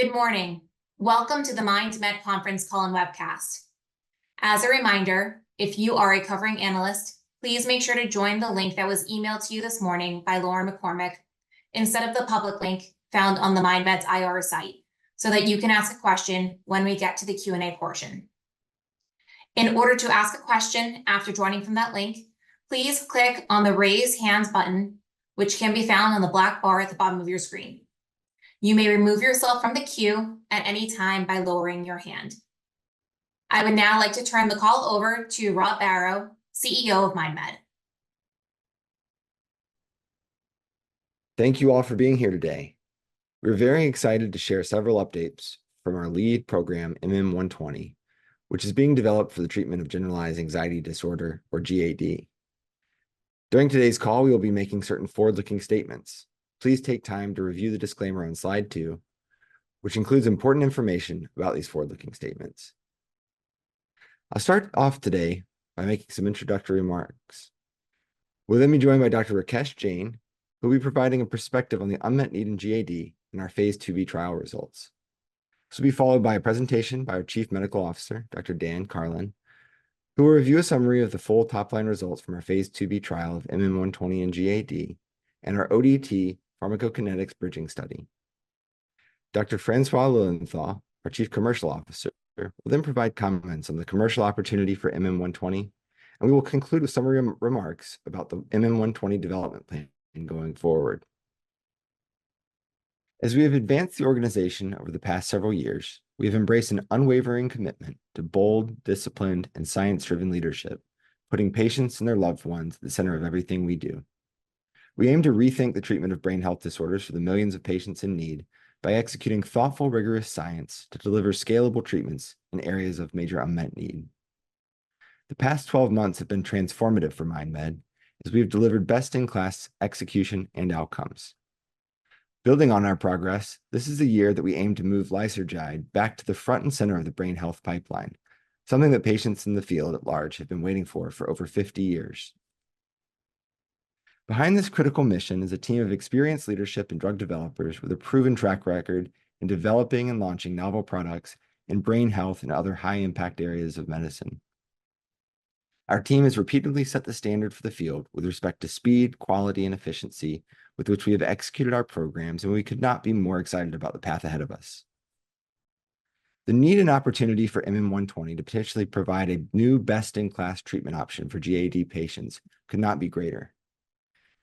Good morning. Welcome to the MindMed Conference call and webcast. As a reminder, if you are a covering analyst, please make sure to join the link that was emailed to you this morning by Laura McCormick instead of the public link found on the MindMed's IR site so that you can ask a question when we get to the Q&A portion. In order to ask a question after joining from that link, please click on the Raise Hands button, which can be found on the black bar at the bottom of your screen. You may remove yourself from the queue at any time by lowering your hand. I would now like to turn the call over to Rob Barrow, CEO of MindMed. Thank you all for being here today. We're very excited to share several updates from our lead program, MM120, which is being developed for the treatment of Generalized Anxiety Disorder, or GAD. During today's call, we will be making certain forward-looking statements. Please take time to review the disclaimer on slide two, which includes important information about these forward-looking statements. I'll start off today by making some introductory remarks. We'll then be joined by Dr. Rakesh Jain, who will be providing a perspective on the unmet need in GAD and our phase II-B trial results. This will be followed by a presentation by our Chief Medical Officer, Dr. Daniel Karlin, who will review a summary of the full top-line results from our phase II-B trial of MM120 and GAD and our ODT pharmacokinetics bridging study. Dr. François Lilienfeld, our Chief Commercial Officer, will then provide comments on the commercial opportunity for MM120, and we will conclude with summary remarks about the MM120 development plan going forward. As we have advanced the organization over the past several years, we have embraced an unwavering commitment to bold, disciplined, and science-driven leadership, putting patients and their loved ones at the center of everything we do. We aim to rethink the treatment of brain health disorders for the millions of patients in need by executing thoughtful, rigorous science to deliver scalable treatments in areas of major unmet need. The past 12 months have been transformative for MindMed as we've delivered best-in-class execution and outcomes. Building on our progress, this is a year that we aim to move Lysergide back to the front and center of the brain health pipeline, something that patients in the field at large have been waiting for over 50 years. Behind this critical mission is a team of experienced leadership and drug developers with a proven track record in developing and launching novel products in brain health and other high-impact areas of medicine. Our team has repeatedly set the standard for the field with respect to speed, quality, and efficiency with which we have executed our programs, and we could not be more excited about the path ahead of us. The need and opportunity for MM120 to potentially provide a new best-in-class treatment option for GAD patients could not be greater.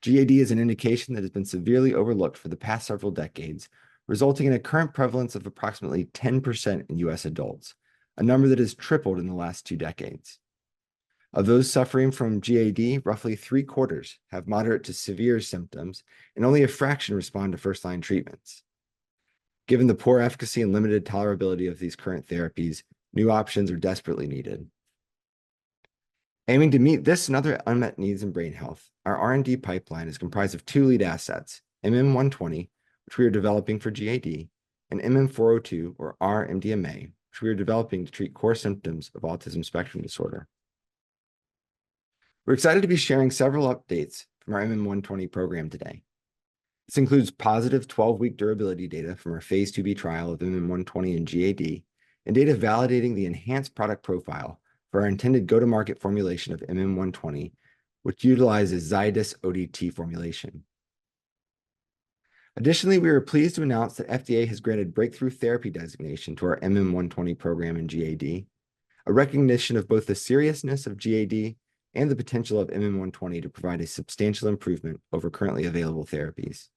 GAD is an indication that has been severely overlooked for the past several decades, resulting in a current prevalence of approximately 10% in U.S. adults, a number that has tripled in the last two decades. Of those suffering from GAD, roughly three-quarters have moderate to severe symptoms, and only a fraction respond to first-line treatments. Given the poor efficacy and limited tolerability of these current therapies, new options are desperately needed. Aiming to meet this and other unmet needs in brain health, our R&D pipeline is comprised of two lead assets: MM120, which we are developing for GAD, and MM402, or R(-)-MDMA, which we are developing to treat core symptoms of autism spectrum disorder. We're excited to be sharing several updates from our MM120 program today. This includes positive 12-week durability data from our phase II-B trial of MM120 and GAD, and data validating the enhanced product profile for our intended go-to-market formulation of MM120, which utilizes Zydis ODT formulation. Additionally, we are pleased to announce that the FDA has granted breakthrough therapy designation to our MM120 program in GAD, a recognition of both the seriousness of GAD and the potential of MM120 to provide a substantial improvement over currently available therapies.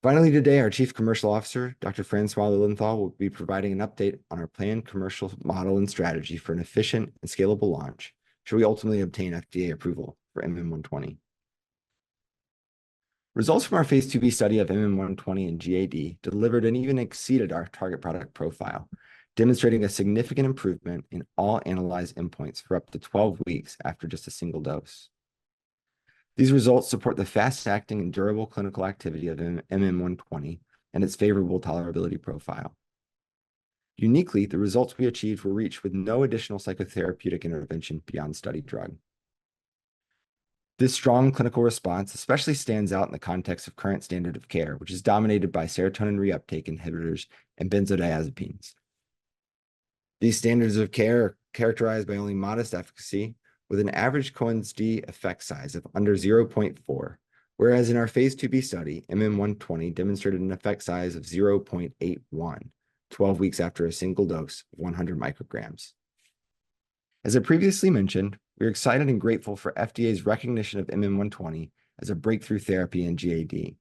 Finally today, our Chief Commercial Officer, Dr. François Lilienfeld, will be providing an update on our planned commercial model and strategy for an efficient and scalable launch, should we ultimately obtain FDA approval for MM120. Results from our phase II-B study of MM120 and GAD delivered and even exceeded our target product profile, demonstrating a significant improvement in all analyzed endpoints for up to 12 weeks after just a single dose. These results support the fast-acting and durable clinical activity of MM120 and its favorable tolerability profile. Uniquely, the results we achieved were reached with no additional psychotherapeutic intervention beyond studied drug. This strong clinical response especially stands out in the context of current standard of care, which is dominated by serotonin reuptake inhibitors and benzodiazepines. These standards of care are characterized by only modest efficacy, with an average Cohen's d effect size of under 0.4, whereas in our phase II-B study, MM120 demonstrated an effect size of 0.81, 12 weeks after a single dose of 100 micrograms. As I previously mentioned, we are excited and grateful for FDA's recognition of MM120 as a breakthrough therapy in GAD.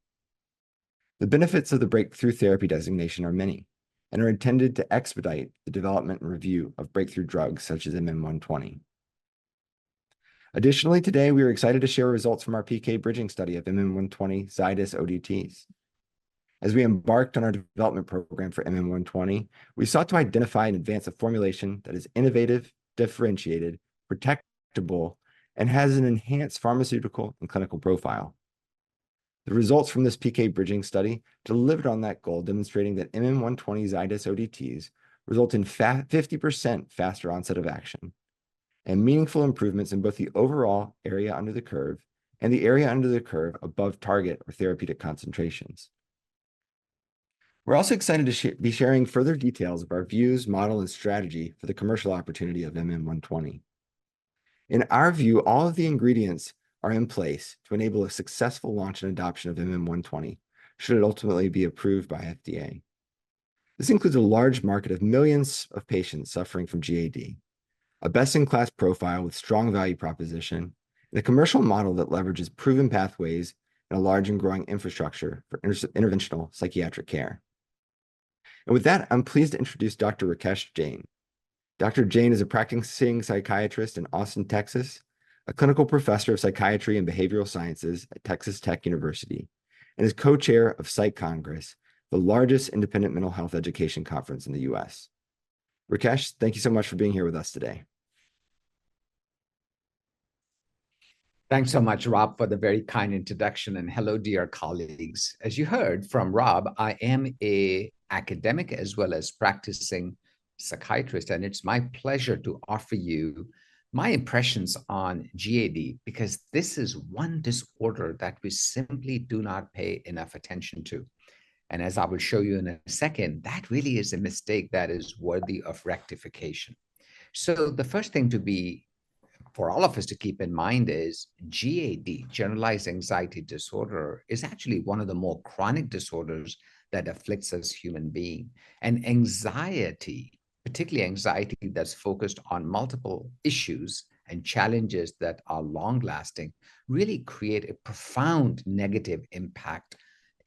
The benefits of the breakthrough therapy designation are many and are intended to expedite the development and review of breakthrough drugs such as MM120. Additionally, today we are excited to share results from our PK bridging study of MM120 Zydis ODTs. As we embarked on our development program for MM120, we sought to identify and advance a formulation that is innovative, differentiated, protectable, and has an enhanced pharmaceutical and clinical profile. The results from this PK bridging study delivered on that goal, demonstrating that MM120 Zydis ODTs result in 50% faster onset of action and meaningful improvements in both the overall area under the curve and the area under the curve above target or therapeutic concentrations. We're also excited to be sharing further details of our views, model, and strategy for the commercial opportunity of MM120. In our view, all of the ingredients are in place to enable a successful launch and adoption of MM120, should it ultimately be approved by FDA. This includes a large market of millions of patients suffering from GAD, a best-in-class profile with strong value proposition, and a commercial model that leverages proven pathways and a large and growing infrastructure for interventional psychiatric care. With that, I'm pleased to introduce Dr. Rakesh Jain. Dr. Jain is a practicing psychiatrist in Austin, Texas, a clinical professor of psychiatry and behavioral sciences at Texas Tech University, and is co-chair of Psych Congress, the largest independent mental health education conference in the U.S. Rakesh, thank you so much for being here with us today. Thanks so much, Rob, for the very kind introduction. Hello, dear colleagues. As you heard from Rob, I am an academic as well as a practicing psychiatrist, and it's my pleasure to offer you my impressions on GAD because this is one disorder that we simply do not pay enough attention to. As I will show you in a second, that really is a mistake that is worthy of rectification. The first thing for all of us to keep in mind is GAD, Generalized Anxiety Disorder, is actually one of the more chronic disorders that afflicts us human beings. Anxiety, particularly anxiety that's focused on multiple issues and challenges that are long-lasting, really creates a profound negative impact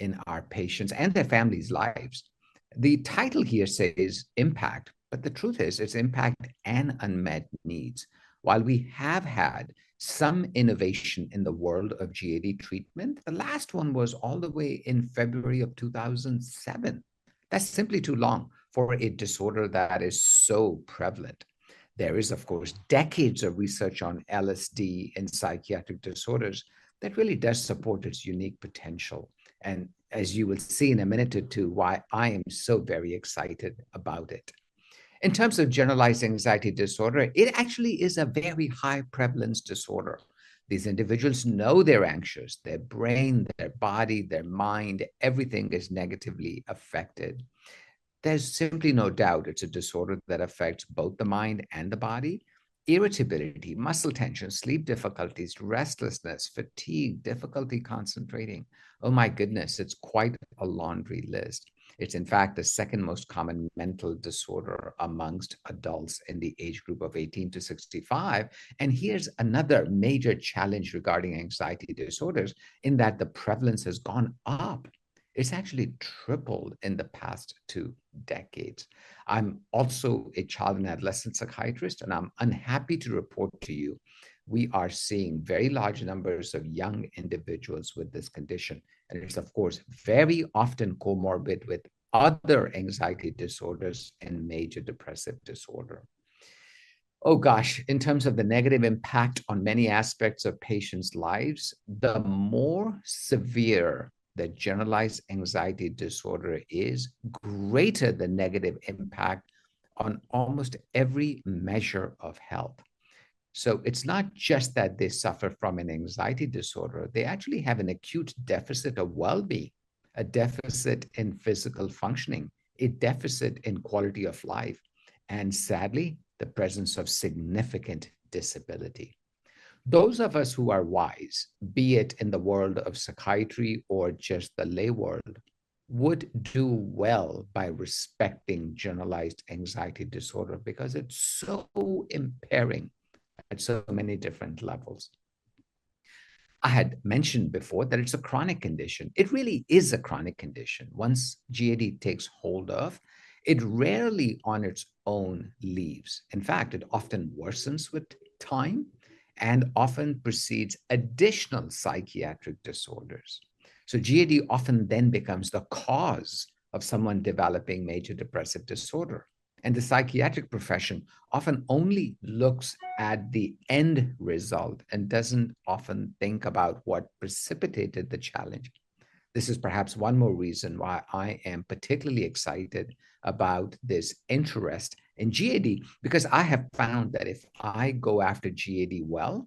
in our patients' and their families' lives. The title here says impact, but the truth is it's impact and unmet needs. While we have had some innovation in the world of GAD treatment, the last one was all the way in February of 2007. That's simply too long for a disorder that is so prevalent. There is, of course, decades of research on LSD and psychiatric disorders that really does support its unique potential. And as you will see in a minute or two, why I am so very excited about it. In terms of Generalized Anxiety Disorder, it actually is a very high-prevalence disorder. These individuals know they're anxious. Their brain, their body, their mind, everything is negatively affected. There's simply no doubt it's a disorder that affects both the mind and the body: irritability, muscle tension, sleep difficulties, restlessness, fatigue, difficulty concentrating. Oh my goodness, it's quite a laundry list. It's, in fact, the second most common mental disorder among adults in the age group of 18-65. Here's another major challenge regarding anxiety disorders in that the prevalence has gone up. It's actually tripled in the past two decades. I'm also a child and adolescent psychiatrist, and I'm unhappy to report to you we are seeing very large numbers of young individuals with this condition. It's, of course, very often comorbid with other anxiety disorders and major depressive disorder. Oh gosh, in terms of the negative impact on many aspects of patients' lives, the more severe that Generalized Anxiety Disorder is, greater the negative impact on almost every measure of health. So it's not just that they suffer from an anxiety disorder. They actually have an acute deficit of well-being, a deficit in physical functioning, a deficit in quality of life, and sadly, the presence of significant disability. Those of us who are wise, be it in the world of psychiatry or just the lay world, would do well by respecting Generalized Anxiety Disorder because it's so impairing at so many different levels. I had mentioned before that it's a chronic condition. It really is a chronic condition. Once GAD takes hold of, it rarely on its own leaves. In fact, it often worsens with time and often precedes additional psychiatric disorders. GAD often then becomes the cause of someone developing major depressive disorder. The psychiatric profession often only looks at the end result and doesn't often think about what precipitated the challenge. This is perhaps one more reason why I am particularly excited about this interest in GAD, because I have found that if I go after GAD well,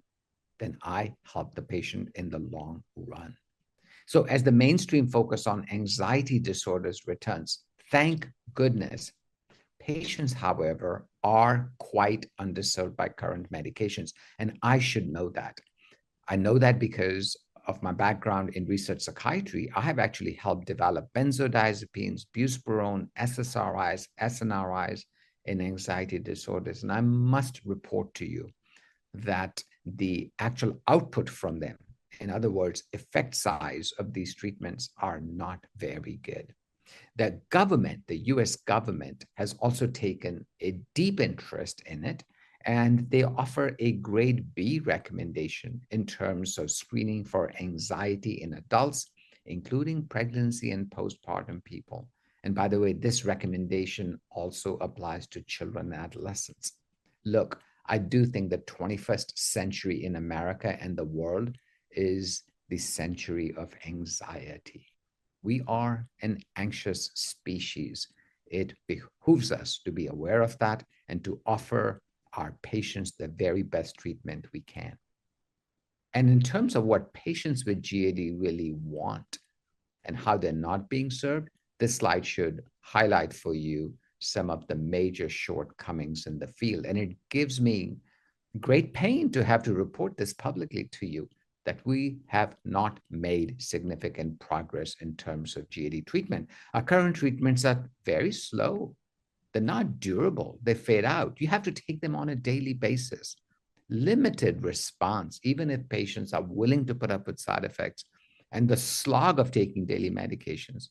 then I help the patient in the long run. As the mainstream focus on anxiety disorders returns, thank goodness, patients, however, are quite underserved by current medications, and I should know that. I know that because of my background in research psychiatry. I have actually helped develop benzodiazepines, buspirone, SSRIs, SNRIs in anxiety disorders. I must report to you that the actual output from them, in other words, the effect size of these treatments, are not very good. The government, the U.S. government, has also taken a deep interest in it, and they offer a Grade B recommendation in terms of screening for anxiety in adults, including pregnancy and postpartum people. By the way, this recommendation also applies to children and adolescents. Look, I do think the 21st century in America and the world is the century of anxiety. We are an anxious species. It behooves us to be aware of that and to offer our patients the very best treatment we can. In terms of what patients with GAD really want and how they're not being served, this slide should highlight for you some of the major shortcomings in the field. It gives me great pain to have to report this publicly to you, that we have not made significant progress in terms of GAD treatment. Our current treatments are very slow. They're not durable. They fade out. You have to take them on a daily basis. Limited response, even if patients are willing to put up with side effects and the slog of taking daily medications,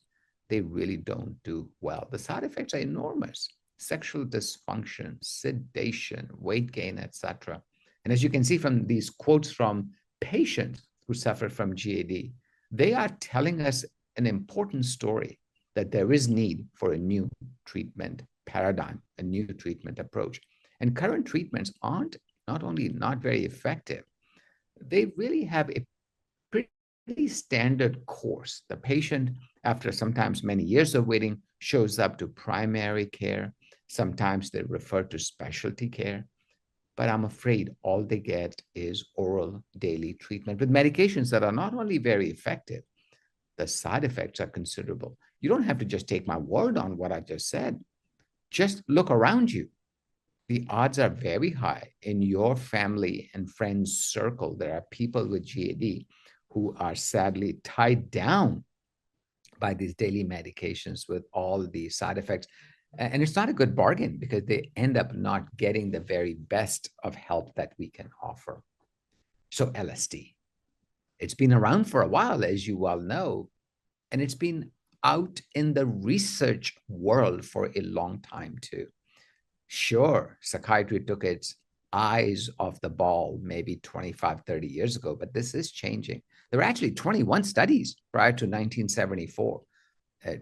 they really don't do well. The side effects are enormous: sexual dysfunction, sedation, weight gain, et cetera. As you can see from these quotes from patients who suffer from GAD, they are telling us an important story: that there is need for a new treatment paradigm, a new treatment approach. Current treatments aren't not only not very effective, they really have a pretty standard course. The patient, after sometimes many years of waiting, shows up to primary care. Sometimes they're referred to specialty care. I'm afraid all they get is oral daily treatment with medications that are not only very effective, the side effects are considerable. You don't have to just take my word on what I just said. Just look around you. The odds are very high in your family and friend circle. There are people with GAD who are sadly tied down by these daily medications with all the side effects. It's not a good bargain because they end up not getting the very best of help that we can offer. LSD, it's been around for a while, as you well know, and it's been out in the research world for a long time too. Sure, psychiatry took its eyes off the ball maybe 25, 30 years ago, but this is changing. There were actually 21 studies prior to 1974.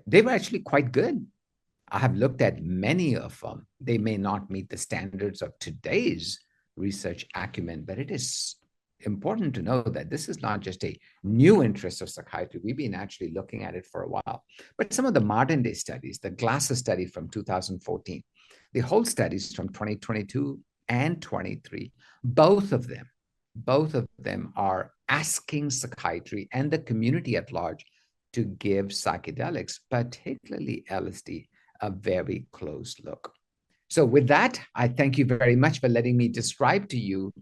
They were actually quite good. I have looked at many of them. They may not meet the standards of today's research acumen, but it is important to know that this is not just a new interest of psychiatry. We've been actually looking at it for a while. But some of the modern-day studies, the Gasser study from 2014, the whole studies from 2022 and 2023, both of them, both of them are asking psychiatry and the community at large to give psychedelics, particularly LSD, a very close look. So with that, I thank you very much for letting me describe to you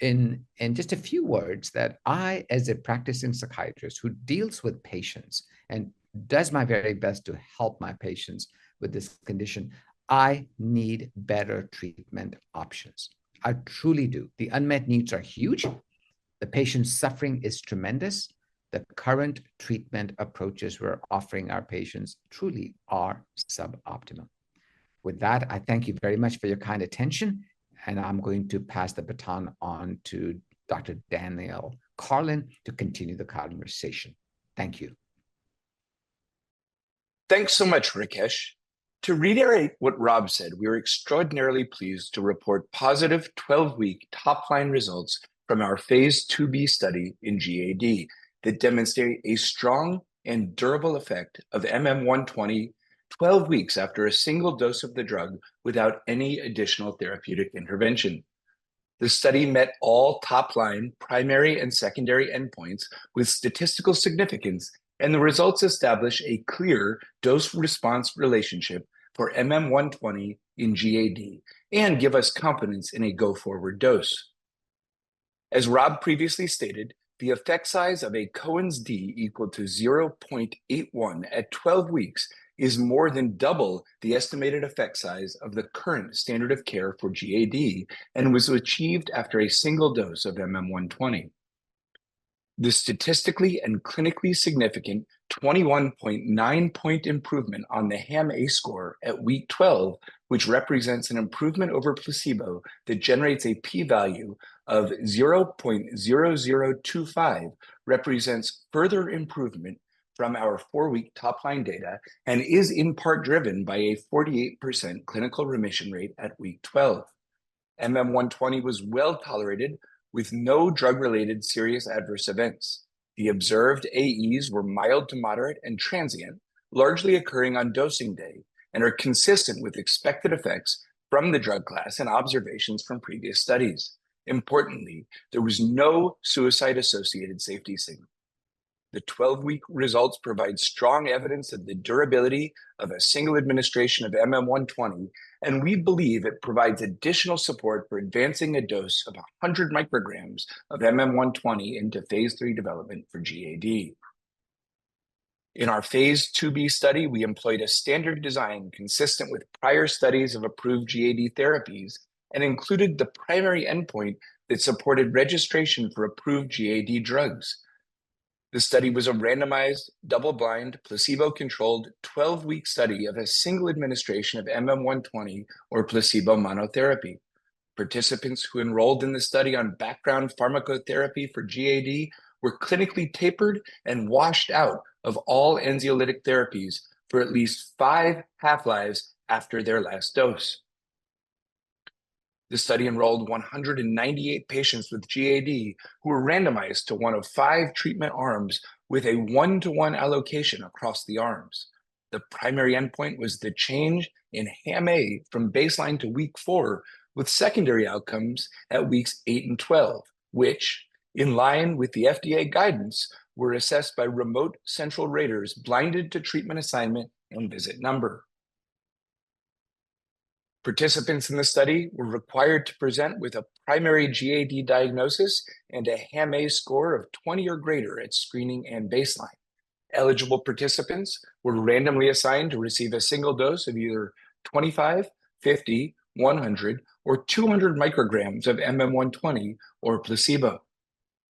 in just a few words that I, as a practicing psychiatrist who deals with patients and does my very best to help my patients with this condition, I need better treatment options. I truly do. The unmet needs are huge. The patient's suffering is tremendous. The current treatment approaches we're offering our patients truly are suboptimal. With that, I thank you very much for your kind attention, and I'm going to pass the baton on to Dr. Daniel Karlin to continue the conversation. Thank you. Thanks so much, Rakesh. To reiterate what Rob said, we are extraordinarily pleased to report positive 12-week top-line results from our phase IIB study in GAD that demonstrate a strong and durable effect of MM120 12 weeks after a single dose of the drug without any additional therapeutic intervention. The study met all top-line primary and secondary endpoints with statistical significance, and the results establish a clear dose-response relationship for MM120 in GAD and give us confidence in a go-forward dose. As Rob previously stated, the effect size of a Cohen's d equal to 0.81 at 12 weeks is more than double the estimated effect size of the current standard of care for GAD and was achieved after a single dose of MM120. The statistically and clinically significant 21.9-point improvement on the HAM-A score at week 12, which represents an improvement over placebo that generates a p-value of 0.0025, represents further improvement from our four-week top-line data and is in part driven by a 48% clinical remission rate at week 12. MM120 was well tolerated with no drug-related serious adverse events. The observed AEs were mild to moderate and transient, largely occurring on dosing day, and are consistent with expected effects from the drug class and observations from previous studies. Importantly, there was no suicide-associated safety signal. The 12-week results provide strong evidence of the durability of a single administration of MM120, and we believe it provides additional support for advancing a dose of 100 micrograms of MM120 into phase III development for GAD. In our Phase IIB study, we employed a standard design consistent with prior studies of approved GAD therapies and included the primary endpoint that supported registration for approved GAD drugs. The study was a randomized, double-blind, placebo-controlled 12-week study of a single administration of MM120 or placebo monotherapy. Participants who enrolled in the study on background pharmacotherapy for GAD were clinically tapered and washed out of all anxiolytic therapies for at least five half-lives after their last dose. The study enrolled 198 patients with GAD who were randomized to one of five treatment arms with a one-to-one allocation across the arms. The primary endpoint was the change in HAM-A from baseline to week four, with secondary outcomes at weeks eight and 12, which, in line with the FDA guidance, were assessed by remote central raters blinded to treatment assignment and visit number. Participants in the study were required to present with a primary GAD diagnosis and a HAM-A score of 20 or greater at screening and baseline. Eligible participants were randomly assigned to receive a single dose of either 25, 50, 100, or 200 micrograms of MM120 or placebo.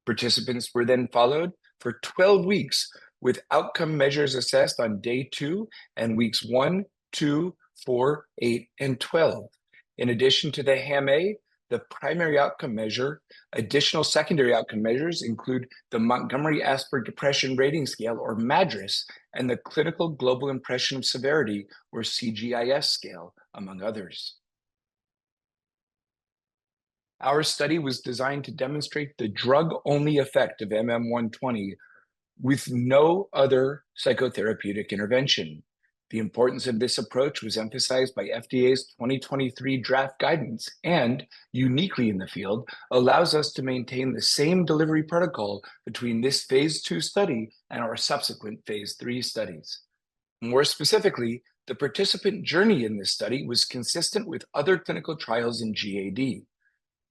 Participants were then followed for 12 weeks with outcome measures assessed on day two and weeks one, two, four, eight, and 12. In addition to the HAM-A, the primary outcome measure, additional secondary outcome measures include the Montgomery-Åsberg Depression Rating Scale or MADRS, and the Clinical Global Impressions-Severity or CGIS scale, among others. Our study was designed to demonstrate the drug-only effect of MM120 with no other psychotherapeutic intervention. The importance of this approach was emphasized by FDA's 2023 draft guidance and, uniquely in the field, allows us to maintain the same delivery protocol between this phase II study and our subsequent phase III studies. More specifically, the participant journey in this study was consistent with other clinical trials in GAD.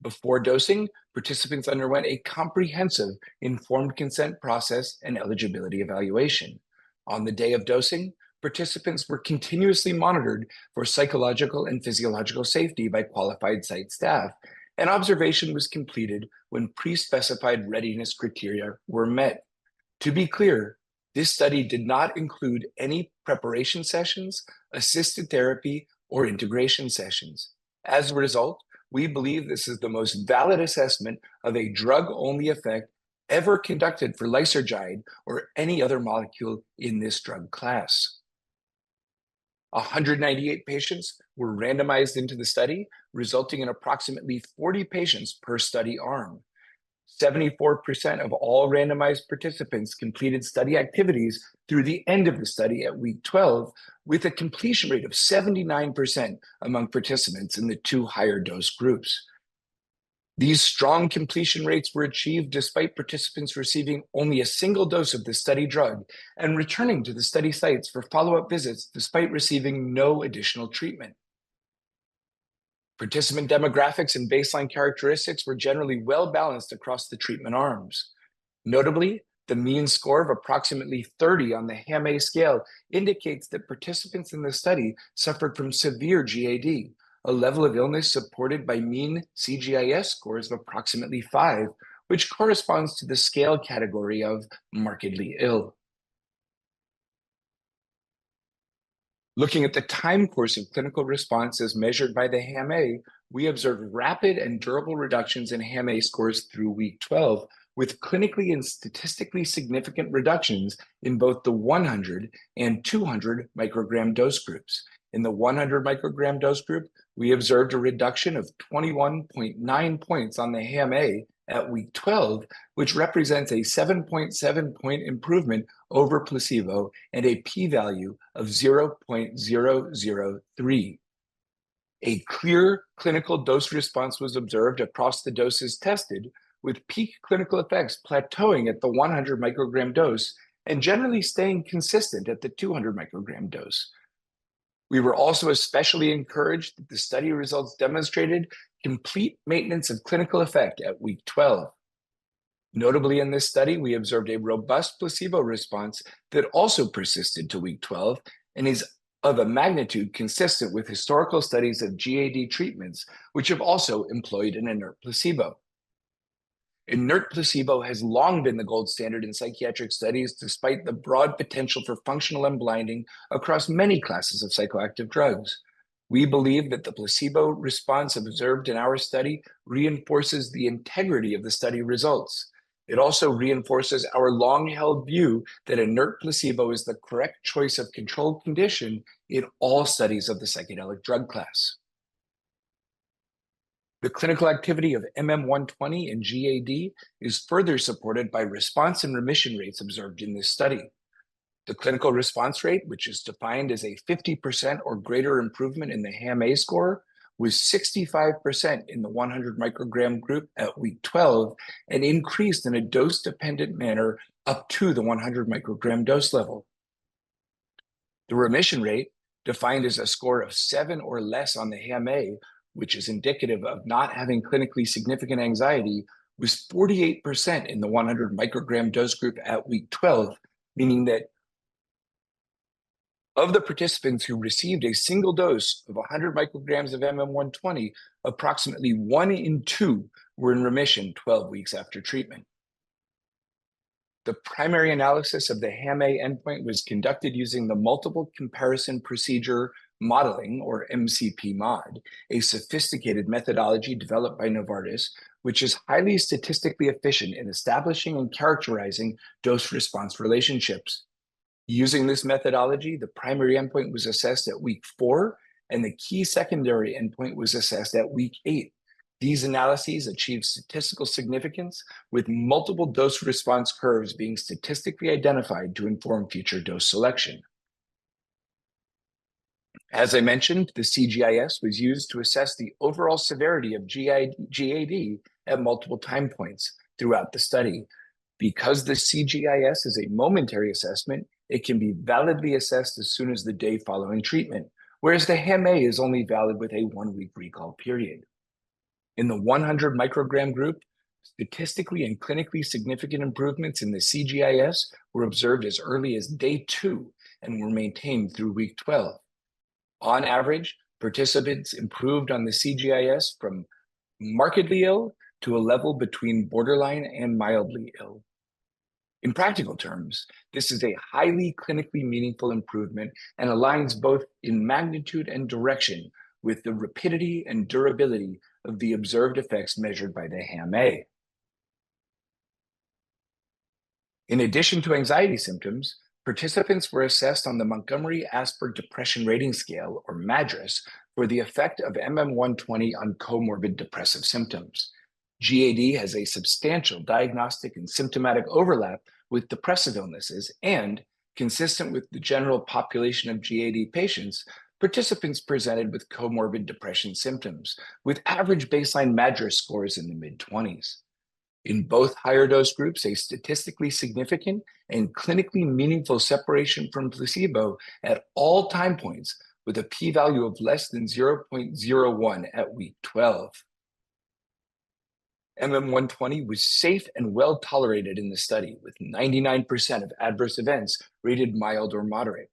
Before dosing, participants underwent a comprehensive informed consent process and eligibility evaluation. On the day of dosing, participants were continuously monitored for psychological and physiological safety by qualified site staff, and observation was completed when pre-specified readiness criteria were met. To be clear, this study did not include any preparation sessions, assisted therapy, or integration sessions. As a result, we believe this is the most valid assessment of a drug-only effect ever conducted for Lysergide or any other molecule in this drug class. 198 patients were randomized into the study, resulting in approximately 40 patients per study arm. 74% of all randomized participants completed study activities through the end of the study at week 12, with a completion rate of 79% among participants in the two higher dose groups. These strong completion rates were achieved despite participants receiving only a single dose of the study drug and returning to the study sites for follow-up visits despite receiving no additional treatment. Participant demographics and baseline characteristics were generally well balanced across the treatment arms. Notably, the mean score of approximately 30 on the HAM-A scale indicates that participants in the study suffered from severe GAD, a level of illness supported by mean CGIS scores of approximately five, which corresponds to the scale category of "markedly ill." Looking at the time course of clinical response as measured by the HAM-A, we observed rapid and durable reductions in HAM-A scores through week 12, with clinically and statistically significant reductions in both the 100 and 200 microgram dose groups. In the 100 microgram dose group, we observed a reduction of 21.9 points on the HAM-A at week 12, which represents a 7.7-point improvement over placebo and a p-value of 0.003. A clear clinical dose response was observed across the doses tested, with peak clinical effects plateauing at the 100 microgram dose and generally staying consistent at the 200 microgram dose. We were also especially encouraged that the study results demonstrated complete maintenance of clinical effect at week 12. Notably, in this study, we observed a robust placebo response that also persisted to week 12 and is of a magnitude consistent with historical studies of GAD treatments, which have also employed an inert placebo. Inert placebo has long been the gold standard in psychiatric studies, despite the broad potential for functional and blinding across many classes of psychoactive drugs. We believe that the placebo response observed in our study reinforces the integrity of the study results. It also reinforces our long-held view that inert placebo is the correct choice of controlled condition in all studies of the psychedelic drug class. The clinical activity of MM120 in GAD is further supported by response and remission rates observed in this study. The clinical response rate, which is defined as a 50% or greater improvement in the HAM-A score, was 65% in the 100 microgram group at week 12 and increased in a dose-dependent manner up to the 100 microgram dose level. The remission rate, defined as a score of seven or less on the HAM-A, which is indicative of not having clinically significant anxiety, was 48% in the 100 microgram dose group at week 12, meaning that of the participants who received a single dose of 100 micrograms of MM120, approximately one in two were in remission 12 weeks after treatment. The primary analysis of the HAM-A endpoint was conducted using the Multiple Comparisons Procedure-Modeling or MCP-Mod, a sophisticated methodology developed by Novartis, which is highly statistically efficient in establishing and characterizing dose-response relationships. Using this methodology, the primary endpoint was assessed at week four, and the key secondary endpoint was assessed at week eight. These analyses achieved statistical significance, with multiple dose-response curves being statistically identified to inform future dose selection. As I mentioned, the CGIS was used to assess the overall severity of GAD at multiple time points throughout the study. Because the CGIS is a momentary assessment, it can be validly assessed as soon as the day following treatment, whereas the HAM-A is only valid with a one-week recall period. In the 100 microgram group, statistically and clinically significant improvements in the CGIS were observed as early as day two and were maintained through week 12. On average, participants improved on the CGIS from "markedly ill" to a level between "borderline" and "mildly ill." In practical terms, this is a highly clinically meaningful improvement and aligns both in magnitude and direction with the rapidity and durability of the observed effects measured by the HAM-A. In addition to anxiety symptoms, participants were assessed on the Montgomery-Åsberg Depression Rating Scale or MADRS for the effect of MM120 on comorbid depressive symptoms. GAD has a substantial diagnostic and symptomatic overlap with depressive illnesses and, consistent with the general population of GAD patients, participants presented with comorbid depression symptoms, with average baseline MADRS scores in the mid-20s. In both higher dose groups, a statistically significant and clinically meaningful separation from placebo at all time points, with a p-value of less than 0.01 at week 12. MM120 was safe and well tolerated in the study, with 99% of adverse events rated mild or moderate.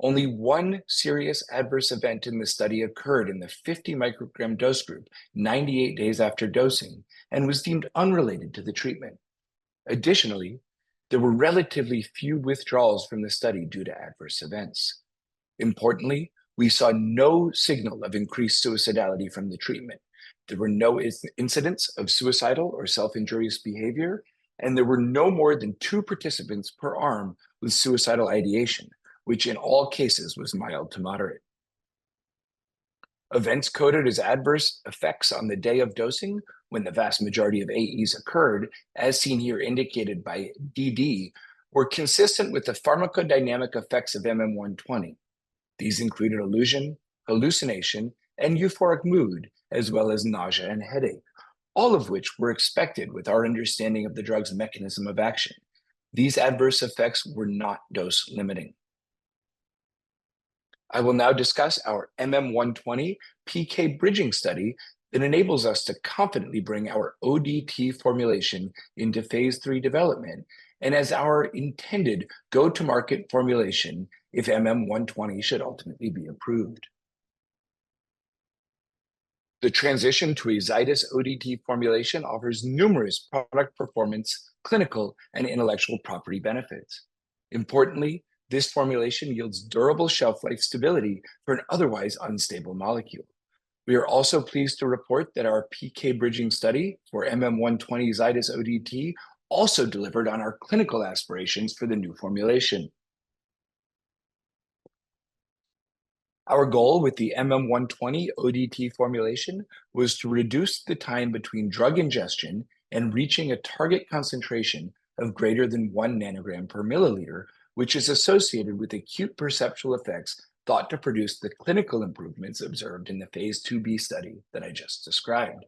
Only one serious adverse event in the study occurred in the 50-microgram dose group 98 days after dosing and was deemed unrelated to the treatment. Additionally, there were relatively few withdrawals from the study due to adverse events. Importantly, we saw no signal of increased suicidality from the treatment. There were no incidents of suicidal or self-injurious behavior, and there were no more than two participants per arm with suicidal ideation, which in all cases was mild to moderate. Events coded as adverse effects on the day of dosing, when the vast majority of AEs occurred, as seen here indicated by DD, were consistent with the pharmacodynamic effects of MM120. These included illusion, hallucination, and euphoric mood, as well as nausea and headache, all of which were expected with our understanding of the drug's mechanism of action. These adverse effects were not dose-limiting. I will now discuss our MM120 PK bridging study that enables us to confidently bring our ODT formulation into phase III development and as our intended go-to-market formulation if MM120 should ultimately be approved. The transition to Zydis ODT formulation offers numerous product performance, clinical, and intellectual property benefits. Importantly, this formulation yields durable shelf-life stability for an otherwise unstable molecule. We are also pleased to report that our PK bridging study for MM120 Zydis ODT also delivered on our clinical aspirations for the new formulation. Our goal with the MM120 ODT formulation was to reduce the time between drug ingestion and reaching a target concentration of greater than 1 nanogram per milliliter, which is associated with acute perceptual effects thought to produce the clinical improvements observed in the phase IIb study that I just described.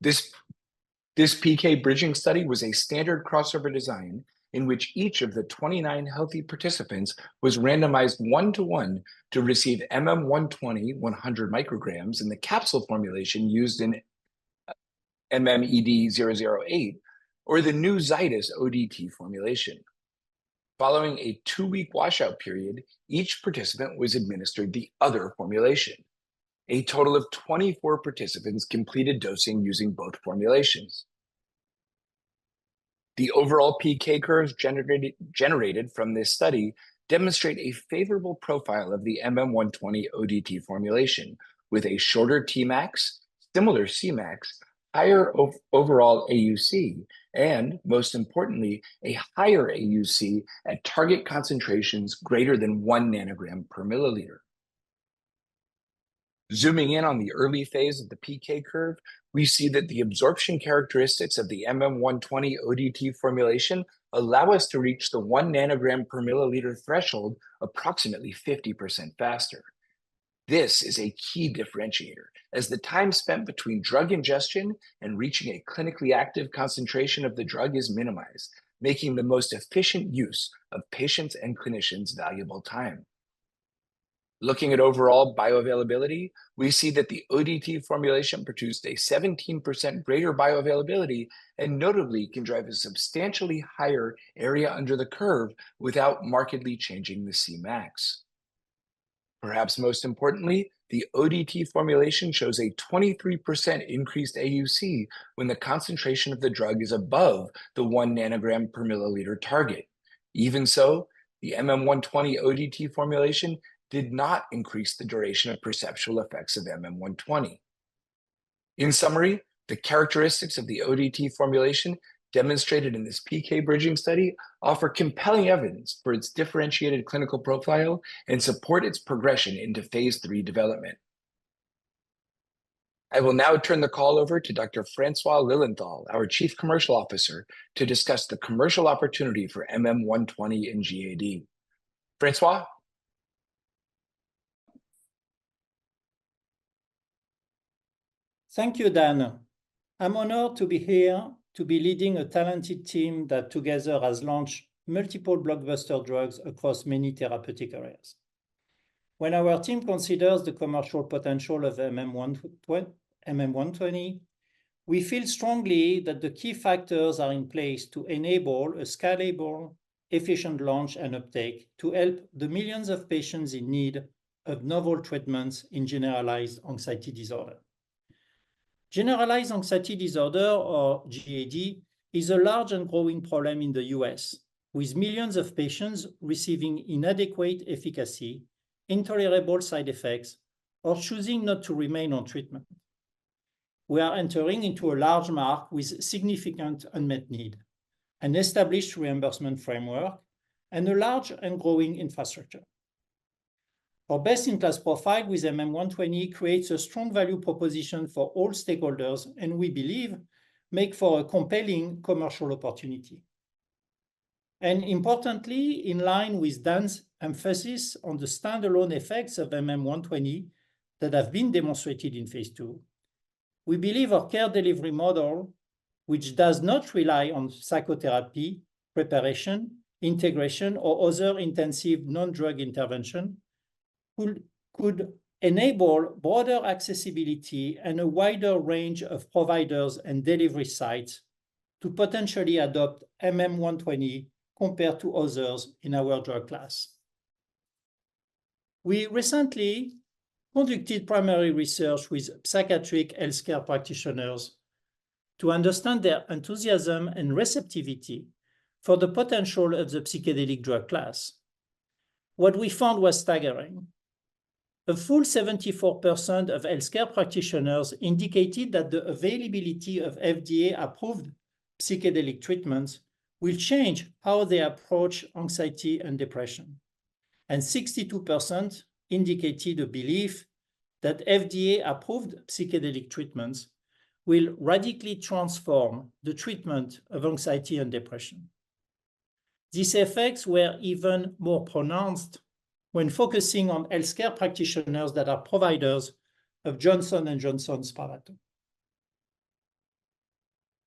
This PK bridging study was a standard crossover design in which each of the 29 healthy participants was randomized one-to-one to receive MM120 100 micrograms in the capsule formulation used in MMED-008 or the new Zydis ODT formulation. Following a 2-week washout period, each participant was administered the other formulation. A total of 24 participants completed dosing using both formulations. The overall PK curves generated from this study demonstrate a favorable profile of the MM120 ODT formulation, with a shorter TMAX, similar CMAX, higher overall AUC, and, most importantly, a higher AUC at target concentrations greater than 1 nanogram per milliliter. Zooming in on the early phase of the PK curve, we see that the absorption characteristics of the MM120 ODT formulation allow us to reach the 1 nanogram per milliliter threshold approximately 50% faster. This is a key differentiator, as the time spent between drug ingestion and reaching a clinically active concentration of the drug is minimized, making the most efficient use of patients' and clinicians' valuable time. Looking at overall bioavailability, we see that the ODT formulation produced a 17% greater bioavailability and notably can drive a substantially higher area under the curve without markedly changing the CMAX. Perhaps most importantly, the ODT formulation shows a 23% increased AUC when the concentration of the drug is above the one nanogram per milliliter target. Even so, the MM120 ODT formulation did not increase the duration of perceptual effects of MM120. In summary, the characteristics of the ODT formulation demonstrated in this PK bridging study offer compelling evidence for its differentiated clinical profile and support its progression into phase III development. I will now turn the call over to Dr. Francois Lilienfeld, our Chief Commercial Officer, to discuss the commercial opportunity for MM120 in GAD. François? Thank you, Dan. I'm honored to be here to be leading a talented team that together has launched multiple blockbuster drugs across many therapeutic areas. When our team considers the commercial potential of MM120, we feel strongly that the key factors are in place to enable a scalable, efficient launch and uptake to help the millions of patients in need of novel treatments in generalized anxiety disorder. Generalized anxiety disorder, or GAD, is a large and growing problem in the U.S., with millions of patients receiving inadequate efficacy, intolerable side effects, or choosing not to remain on treatment. We are entering into a large market with significant unmet need, an established reimbursement framework, and a large and growing infrastructure. Our best-in-class profile with MM120 creates a strong value proposition for all stakeholders and, we believe, makes for a compelling commercial opportunity. Importantly, in line with Dan's emphasis on the standalone effects of MM120 that have been demonstrated in phase 2, we believe our care delivery model, which does not rely on psychotherapy, preparation, integration, or other intensive non-drug intervention, could enable broader accessibility and a wider range of providers and delivery sites to potentially adopt MM120 compared to others in our drug class. We recently conducted primary research with psychiatric healthcare practitioners to understand their enthusiasm and receptivity for the potential of the psychedelic drug class. What we found was staggering. A full 74% of healthcare practitioners indicated that the availability of FDA-approved psychedelic treatments will change how they approach anxiety and depression, and 62% indicated the belief that FDA-approved psychedelic treatments will radically transform the treatment of anxiety and depression. These effects were even more pronounced when focusing on healthcare practitioners that are providers of Johnson & Johnson SPRAVATO.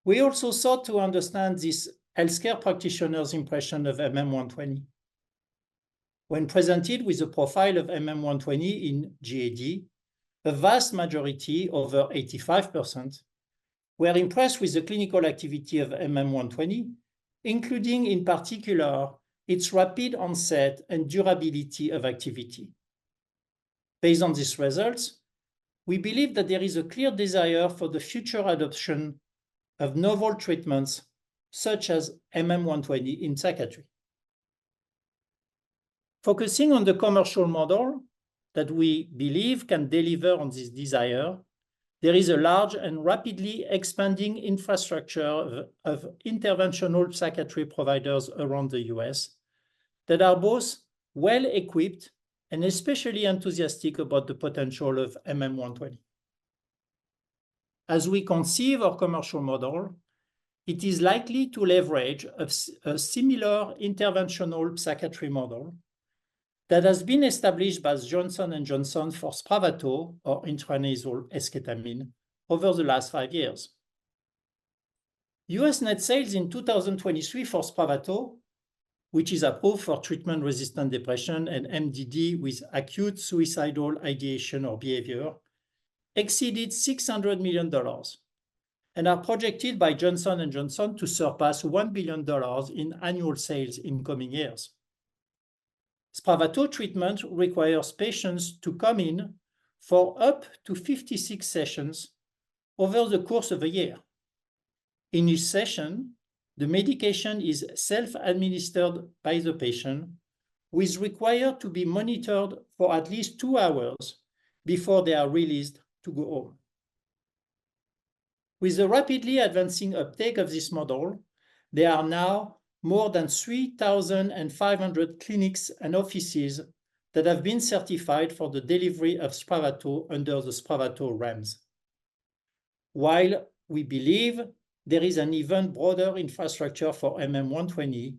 We also sought to understand these healthcare practitioners' impression of MM120. When presented with a profile of MM120 in GAD, a vast majority, over 85%, were impressed with the clinical activity of MM120, including in particular its rapid onset and durability of activity. Based on these results, we believe that there is a clear desire for the future adoption of novel treatments such as MM120 in psychiatry. Focusing on the commercial model that we believe can deliver on this desire, there is a large and rapidly expanding infrastructure of interventional psychiatry providers around the U.S. that are both well-equipped and especially enthusiastic about the potential of MM120. As we conceive our commercial model, it is likely to leverage a similar interventional psychiatry model that has been established by Johnson & Johnson for SPRAVATO, or intranasal esketamine, over the last 5 years. U.S. Net sales in 2023 for SPRAVATO, which is approved for treatment-resistant depression and MDD with acute suicidal ideation or behavior, exceeded $600 million and are projected by Johnson & Johnson to surpass $1 billion in annual sales in coming years. SPRAVATO treatment requires patients to come in for up to 56 sessions over the course of a year. In each session, the medication is self-administered by the patient, who is required to be monitored for at least two hours before they are released to go home. With the rapidly advancing uptake of this model, there are now more than 3,500 clinics and offices that have been certified for the delivery of SPRAVATO under the SPRAVATO REMS. While we believe there is an even broader infrastructure for MM120,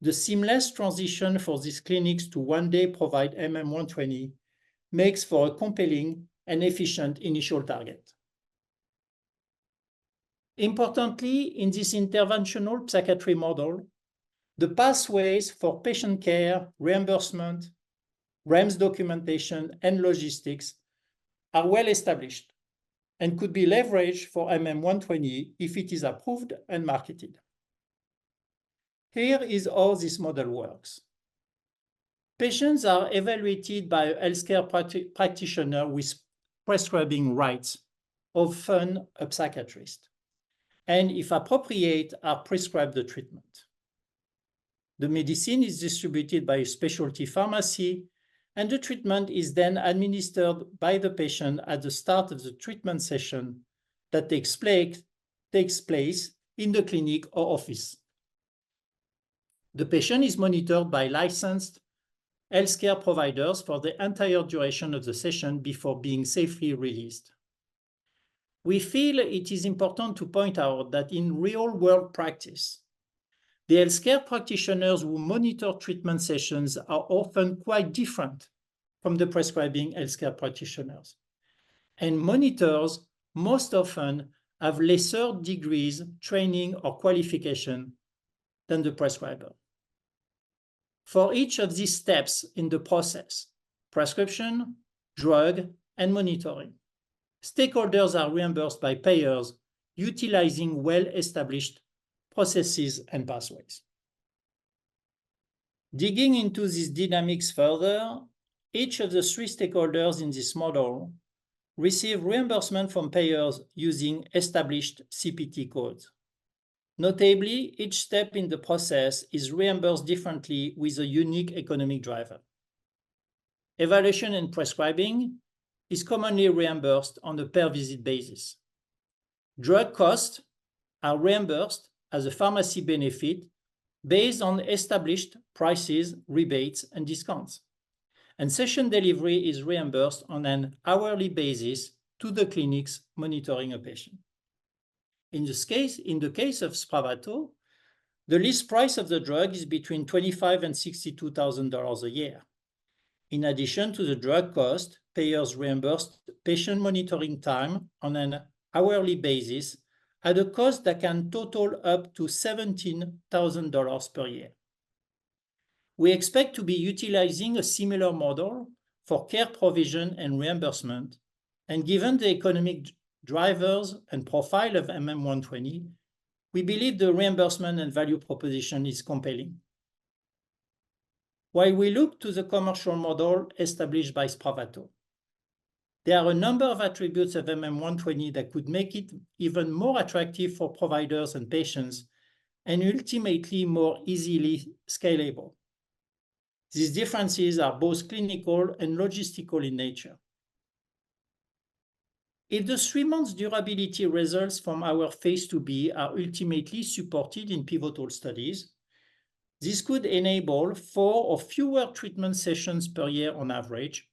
the seamless transition for these clinics to one day provide MM120 makes for a compelling and efficient initial target. Importantly, in this interventional psychiatry model, the pathways for patient care, reimbursement, REMS documentation, and logistics are well established and could be leveraged for MM120 if it is approved and marketed. Here is how this model works. Patients are evaluated by healthcare practitioners with prescribing rights, often a psychiatrist, and, if appropriate, are prescribed the treatment. The medicine is distributed by a specialty pharmacy, and the treatment is then administered by the patient at the start of the treatment session that takes place in the clinic or office. The patient is monitored by licensed healthcare providers for the entire duration of the session before being safely released. We feel it is important to point out that in real-world practice, the healthcare practitioners who monitor treatment sessions are often quite different from the prescribing healthcare practitioners, and monitors most often have lesser degrees of training or qualification than the prescriber. For each of these steps in the process, prescription, drug, and monitoring, stakeholders are reimbursed by payers utilizing well-established processes and pathways. Digging into these dynamics further, each of the three stakeholders in this model receives reimbursement from payers using established CPT codes. Notably, each step in the process is reimbursed differently with a unique economic driver. Evaluation and prescribing are commonly reimbursed on a per-visit basis. Drug costs are reimbursed as a pharmacy benefit based on established prices, rebates, and discounts, and session delivery is reimbursed on an hourly basis to the clinics monitoring a patient. In the case of SPRAVATO, the list price of the drug is between $25,000-$62,000 a year. In addition to the drug cost, payers reimburse patient monitoring time on an hourly basis at a cost that can total up to $17,000 per year. We expect to be utilizing a similar model for care provision and reimbursement, and given the economic drivers and profile of MM120, we believe the reimbursement and value proposition is compelling. While we look to the commercial model established by SPRAVATO, there are a number of attributes of MM120 that could make it even more attractive for providers and patients, and ultimately more easily scalable. These differences are both clinical and logistical in nature. If the three-month durability results from our phase IIb are ultimately supported in pivotal studies, this could enable four or fewer treatment sessions per year on average,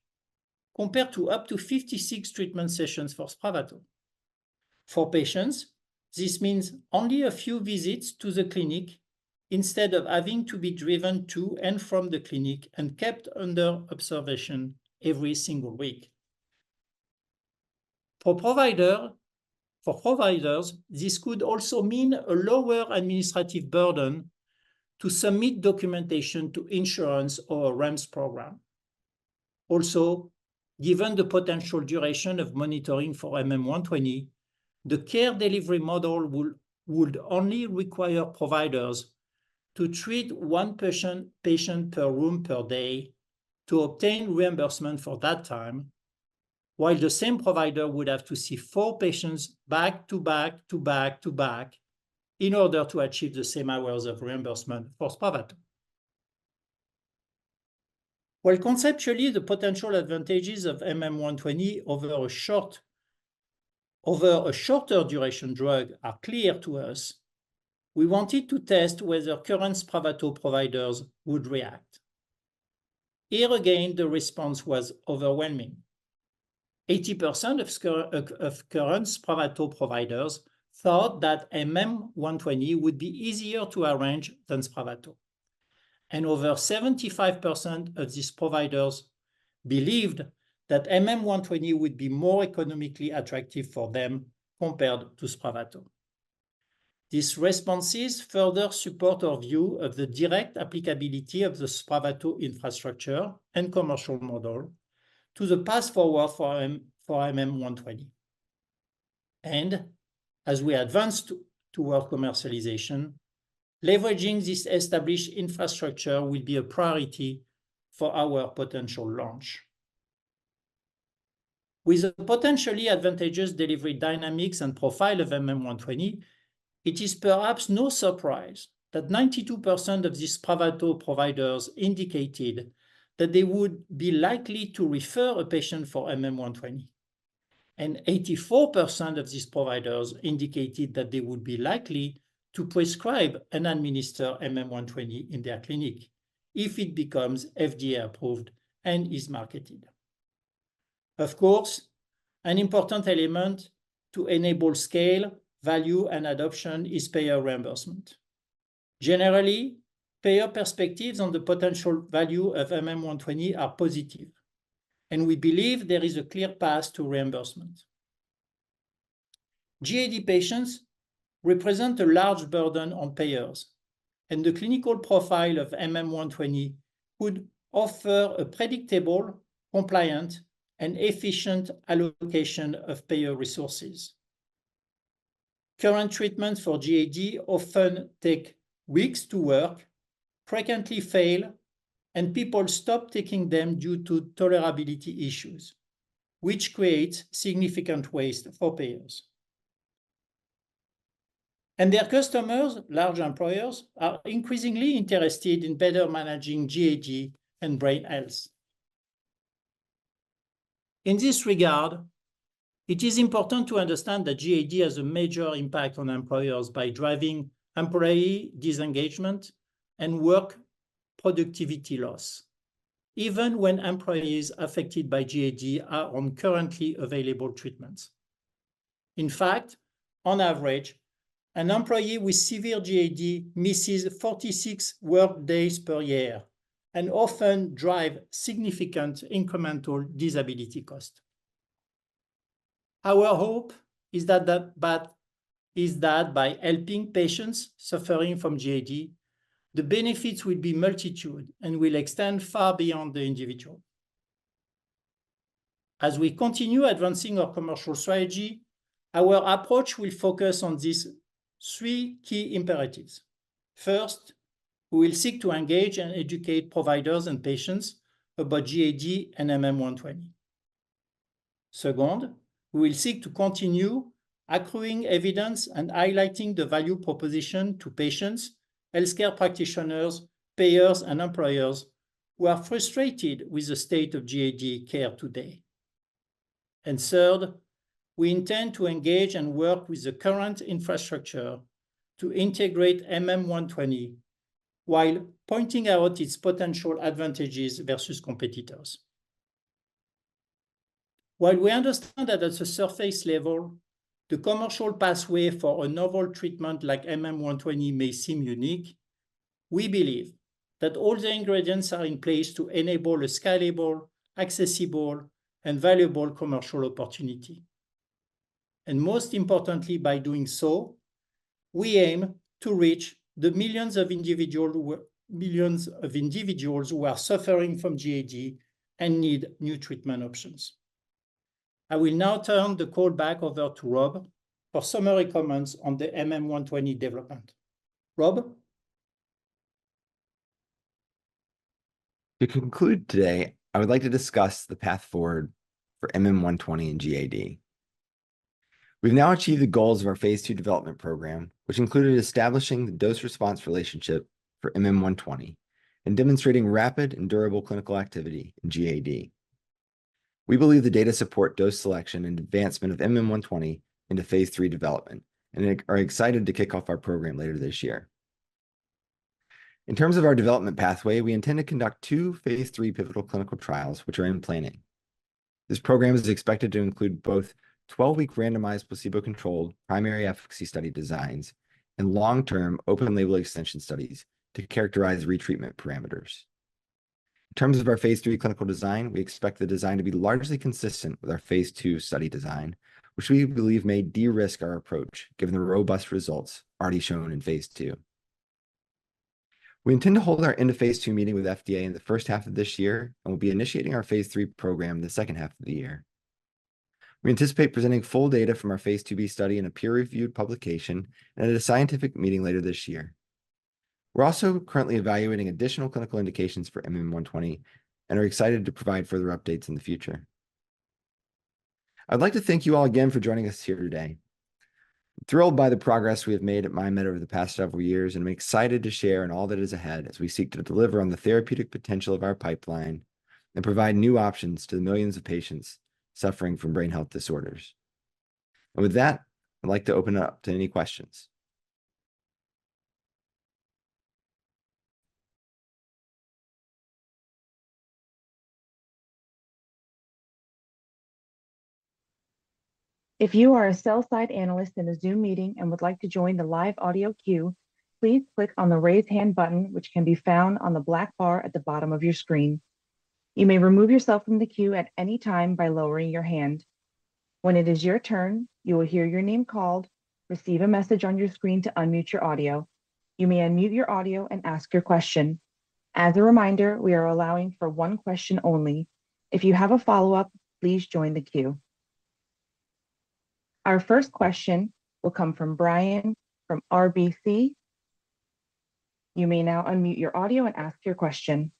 compared to up to 56 treatment sessions for SPRAVATO. For patients, this means only a few visits to the clinic instead of having to be driven to and from the clinic and kept under observation every single week. For providers, this could also mean a lower administrative burden to submit documentation to insurance or a REMS program. Also, given the potential duration of monitoring for MM120, the care delivery model would only require providers to treat one patient per room per day to obtain reimbursement for that time, while the same provider would have to see four patients back to back to back to back in order to achieve the same hours of reimbursement for SPRAVATO. While conceptually the potential advantages of MM120 over a shorter duration drug are clear to us, we wanted to test whether current SPRAVATO providers would react. Here again, the response was overwhelming. 80% of current SPRAVATO providers thought that MM120 would be easier to arrange than SPRAVATO, and over 75% of these providers believed that MM120 would be more economically attractive for them compared to SPRAVATO. These responses further support our view of the direct applicability of the SPRAVATO infrastructure and commercial model to the path forward for MM120. As we advance toward commercialization, leveraging this established infrastructure will be a priority for our potential launch. With the potentially advantageous delivery dynamics and profile of MM120, it is perhaps no surprise that 92% of these SPRAVATO providers indicated that they would be likely to refer a patient for MM120, and 84% of these providers indicated that they would be likely to prescribe and administer MM120 in their clinic if it becomes FDA-approved and is marketed. Of course, an important element to enable scale, value, and adoption is payer reimbursement. Generally, payer perspectives on the potential value of MM120 are positive, and we believe there is a clear path to reimbursement. GAD patients represent a large burden on payers, and the clinical profile of MM120 would offer a predictable, compliant, and efficient allocation of payer resources. Current treatments for GAD often take weeks to work, frequently fail, and people stop taking them due to tolerability issues, which creates significant waste for payers. Their customers, large employers, are increasingly interested in better managing GAD and brain health. In this regard, it is important to understand that GAD has a major impact on employers by driving employee disengagement and work productivity loss, even when employees affected by GAD are on currently available treatments. In fact, on average, an employee with severe GAD misses 46 workdays per year and often drives significant incremental disability costs. Our hope is that by helping patients suffering from GAD, the benefits would be multitude and will extend far beyond the individual. As we continue advancing our commercial strategy, our approach will focus on these three key imperatives. First, we will seek to engage and educate providers and patients about GAD and MM120. Second, we will seek to continue accruing evidence and highlighting the value proposition to patients, healthcare practitioners, payers, and employers who are frustrated with the state of GAD care today. And third, we intend to engage and work with the current infrastructure to integrate MM120 while pointing out its potential advantages versus competitors. While we understand that at a surface level, the commercial pathway for a novel treatment like MM120 may seem unique, we believe that all the ingredients are in place to enable a scalable, accessible, and valuable commercial opportunity. Most importantly, by doing so, we aim to reach the millions of individuals who are suffering from GAD and need new treatment options. I will now turn the call back over to Rob for summary comments on the MM120 development. Rob. To conclude today, I would like to discuss the path forward for MM120 and GAD. We've now achieved the goals of our phase II development program, which included establishing the dose-response relationship for MM120 and demonstrating rapid and durable clinical activity in GAD. We believe the data support dose selection and advancement of MM120 into phase III development, and are excited to kick off our program later this year. In terms of our development pathway, we intend to conduct two phase III pivotal clinical trials, which are in planning. This program is expected to include both 12-week randomized placebo-controlled primary efficacy study designs and long-term open-label extension studies to characterize retreatment parameters. In terms of our phase III clinical design, we expect the design to be largely consistent with our phase II study design, which we believe may de-risk our approach given the robust results already shown in phase II. We intend to hold our end-of-phase II meeting with the FDA in the first half of this year and will be initiating our phase III program in the second half of the year. We anticipate presenting full data from our phase IIb study in a peer-reviewed publication and at a scientific meeting later this year. We're also currently evaluating additional clinical indications for MM120 and are excited to provide further updates in the future. I'd like to thank you all again for joining us here today. I'm thrilled by the progress we have made at MindMed over the past several years, and I'm excited to share in all that is ahead as we seek to deliver on the therapeutic potential of our pipeline and provide new options to the millions of patients suffering from brain health disorders. With that, I'd like to open up to any questions. If you are a sell-side analyst in a Zoom meeting and would like to join the live audio queue, please click on the raise hand button, which can be found on the black bar at the bottom of your screen. You may remove yourself from the queue at any time by lowering your hand. When it is your turn, you will hear your name called, receive a message on your screen to unmute your audio. You may unmute your audio and ask your question. As a reminder, we are allowing for one question only. If you have a follow-up, please join the queue. Our first question will come from Brian from RBC. You may now unmute your audio and ask your question.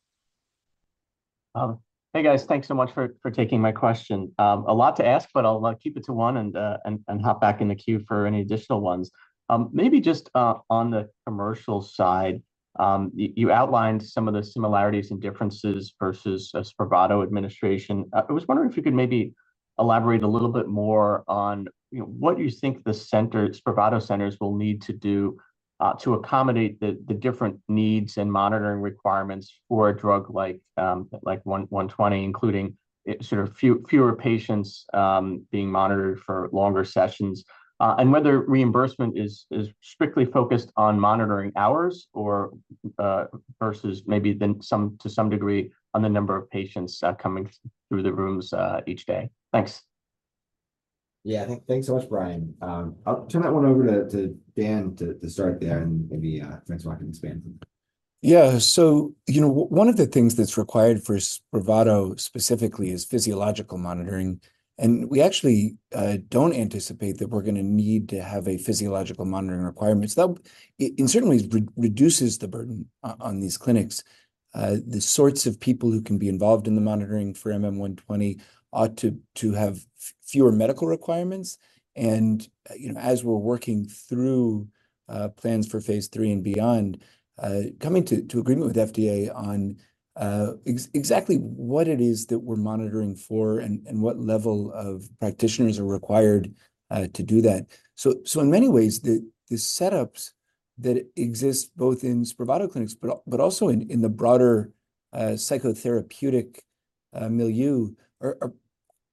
Hey guys, thanks so much for taking my question. A lot to ask, but I'll keep it to one and hop back in the queue for any additional ones. Maybe just on the commercial side, you outlined some of the similarities and differences versus a SPRAVATO administration. I was wondering if you could maybe elaborate a little bit more on what you think the SPRAVATO centers will need to do to accommodate the different needs and monitoring requirements for a drug like 120, including sort of fewer patients being monitored for longer sessions, and whether reimbursement is strictly focused on monitoring hours versus maybe then to some degree on the number of patients coming through the rooms each day. Thanks. Yeah, thanks so much, Brian. I'll turn that one over to Dan to start there, and maybe François wants to expand from there. Yeah, so one of the things that's required for SPRAVATO specifically is physiological monitoring. And we actually don't anticipate that we're going to need to have a physiological monitoring requirement. So that in certain ways reduces the burden on these clinics. The sorts of people who can be involved in the monitoring for MM120 ought to have fewer medical requirements. And as we're working through plans for phase III and beyond, coming to agreement with the FDA on exactly what it is that we're monitoring for and what level of practitioners are required to do that. So in many ways, the setups that exist both in SPRAVATO clinics but also in the broader psychotherapeutic milieu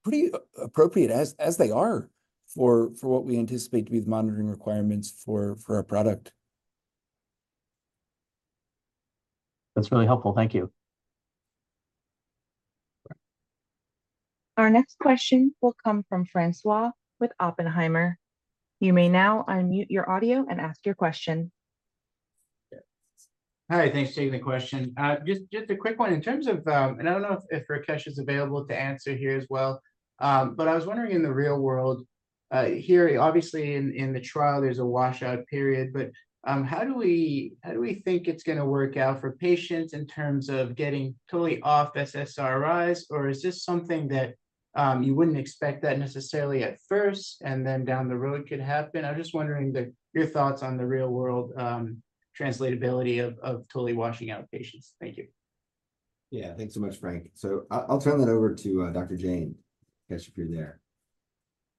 are pretty appropriate as they are for what we anticipate to be the monitoring requirements for our product. That's really helpful. Thank you. Our next question will come from François with Oppenheimer. You may now unmute your audio and ask your question. Hi, thanks for taking the question. Just a quick one. In terms of and I don't know if Rakesh is available to answer here as well, but I was wondering in the real world here, obviously in the trial, there's a washout period, but how do we think it's going to work out for patients in terms of getting totally off SSRIs, or is this something that you wouldn't expect that necessarily at first and then down the road could happen? I'm just wondering your thoughts on the real-world translatability of totally washing out patients. Thank you. Yeah, thanks so much, Franç. I'll turn that over to Dr. Jain, if you're there.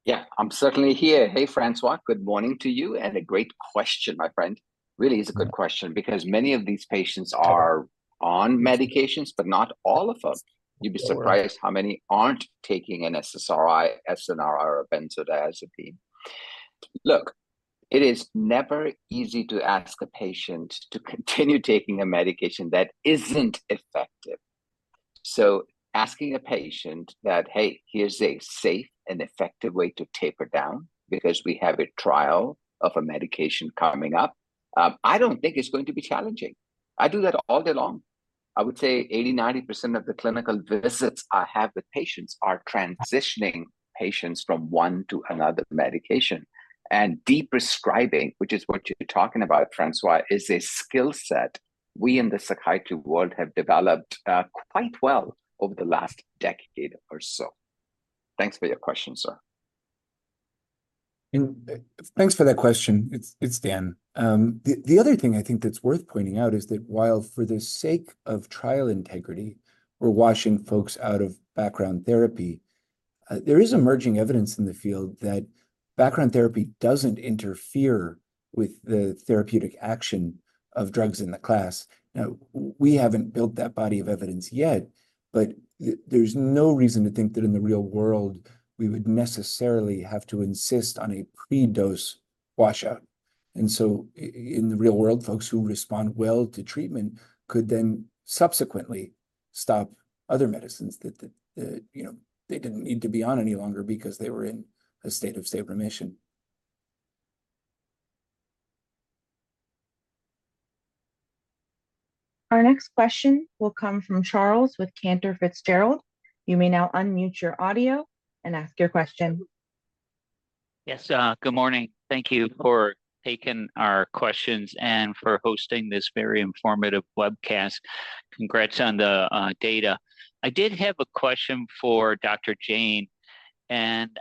Yeah, I'm certainly here. Hey, François, good morning to you and a great question, my friend. Really, it's a good question because many of these patients are on medications, but not all of them. You'd be surprised how many aren't taking an SSRI, SNR, or a benzodiazepine. Look, it is never easy to ask a patient to continue taking a medication that isn't effective. So asking a patient that, "Hey, here's a safe and effective way to taper down because we have a trial of a medication coming up," I don't think it's going to be challenging. I do that all day long. I would say 80%-90% of the clinical visits I have with patients are transitioning patients from one to another medication. De-prescribing, which is what you're talking about, François, is a skill set we in the psychiatry world have developed quite well over the last decade or so. Thanks for your question, sir. Thanks for that question. It's Dan. The other thing I think that's worth pointing out is that while for the sake of trial integrity, we're washing folks out of background therapy, there is emerging evidence in the field that background therapy doesn't interfere with the therapeutic action of drugs in the class. Now, we haven't built that body of evidence yet, but there's no reason to think that in the real world we would necessarily have to insist on a pre-dose washout. So in the real world, folks who respond well to treatment could then subsequently stop other medicines that they didn't need to be on any longer because they were in a state of state remission. Our next question will come from Charles with Cantor Fitzgerald. You may now unmute your audio and ask your question. Yes, good morning. Thank you for taking our questions and for hosting this very informative webcast. Congrats on the data. I did have a question for Dr. Jane. And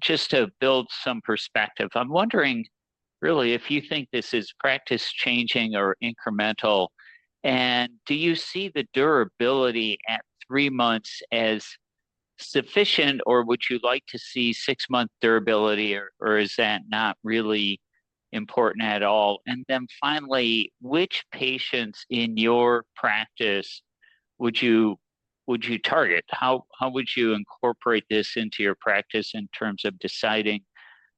just to build some perspective, I'm wondering really if you think this is practice-changing or incremental, and do you see the durability at three months as sufficient, or would you like to see six-month durability, or is that not really important at all? And then finally, which patients in your practice would you target? How would you incorporate this into your practice in terms of deciding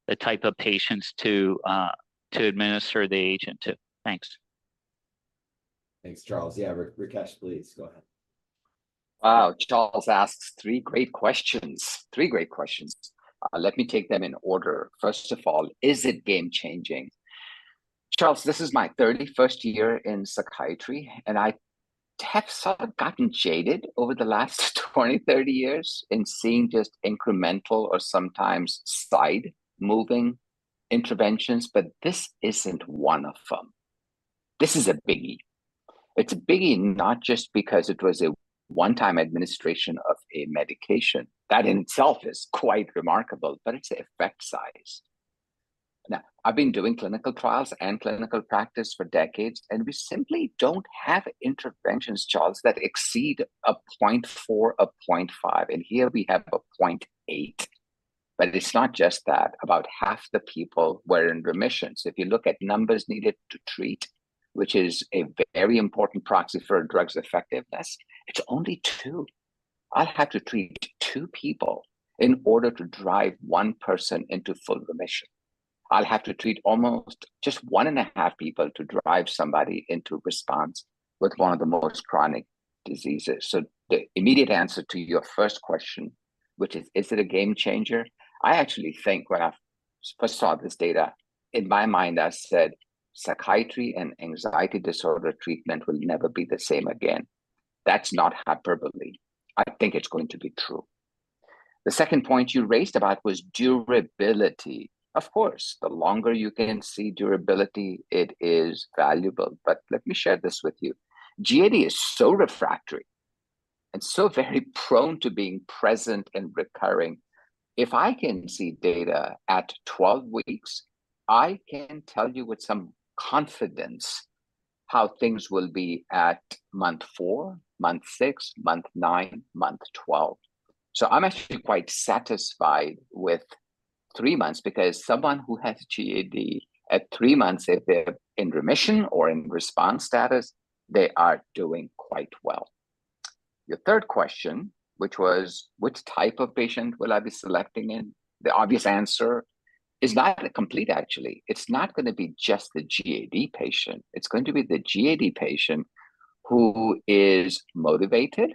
the type of patients to administer the agent to? Thanks. Thanks, Charles. Yeah, Rakesh, please go ahead. Wow, Charles asks three great questions, three great questions. Let me take them in order. First of all, is it game-changing? Charles, this is my 31st year in psychiatry, and I have sort of gotten jaded over the last 20, 30 years in seeing just incremental or sometimes side-moving interventions, but this isn't one of them. This is a biggie. It's a biggie not just because it was a one-time administration of a medication. That in itself is quite remarkable, but it's the effect size. Now, I've been doing clinical trials and clinical practice for decades, and we simply don't have interventions, Charles, that exceed a 0.4, a 0.5. And here we have a 0.8. But it's not just that. About half the people were in remissions. If you look at numbers needed to treat, which is a very important proxy for a drug's effectiveness, it's only two. I'll have to treat two people in order to drive one person into full remission. I'll have to treat almost just one and a half people to drive somebody into response with one of the most chronic diseases. So the immediate answer to your first question, which is, is it a game-changer? I actually think when I first saw this data, in my mind, I said, "Psychiatry and anxiety disorder treatment will never be the same again." That's not hyperbole. I think it's going to be true. The second point you raised about was durability. Of course, the longer you can see durability, it is valuable. But let me share this with you. GAD is so refractory and so very prone to being present and recurring. If I can see data at 12 weeks, I can tell you with some confidence how things will be at month four, month six, month nine, month 12. So I'm actually quite satisfied with 3 months because someone who has GAD at three months, if they're in remission or in response status, they are doing quite well. Your third question, which was, "Which type of patient will I be selecting in?" The obvious answer is not complete, actually. It's not going to be just the GAD patient. It's going to be the GAD patient who is motivated.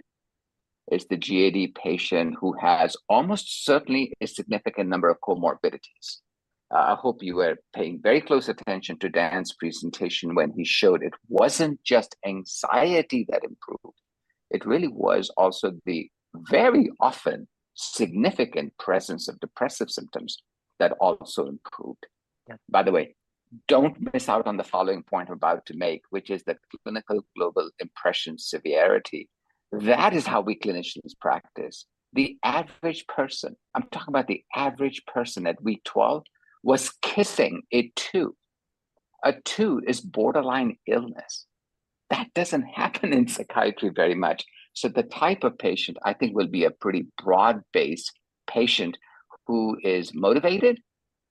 It's the GAD patient who has almost certainly a significant number of comorbidities. I hope you were paying very close attention to Dan's presentation when he showed it wasn't just anxiety that improved. It really was also the very often significant presence of depressive symptoms that also improved. By the way, don't miss out on the following point I'm about to make, which is the Clinical Global Impressions-Severity. That is how we clinicians practice. The average person I'm talking about the average person at week 12 was kissing a two. A two is borderline illness. That doesn't happen in psychiatry very much. So the type of patient, I think, will be a pretty broad-based patient who is motivated,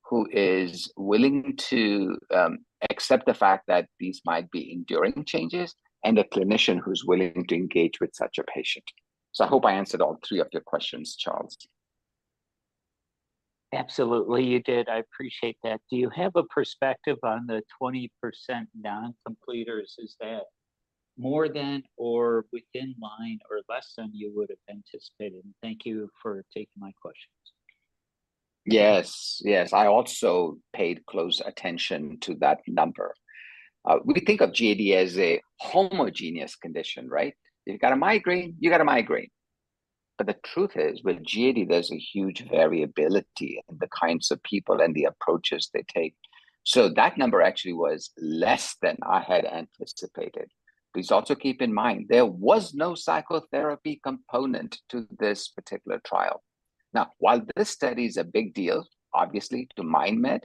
who is willing to accept the fact that these might be enduring changes, and a clinician who's willing to engage with such a patient. So I hope I answered all three of your questions, Charles. Absolutely, you did. I appreciate that. Do you have a perspective on the 20% non-completors? Is that more than or in line or less than you would have anticipated? Thank you for taking my questions. Yes. I also paid close attention to that number. We think of GAD as a homogeneous condition, right? If you've got a migraine, you've got a migraine. But the truth is, with GAD, there's a huge variability in the kinds of people and the approaches they take. So that number actually was less than I had anticipated. Please also keep in mind, there was no psychotherapy component to this particular trial. Now, while this study is a big deal, obviously, to MindMed,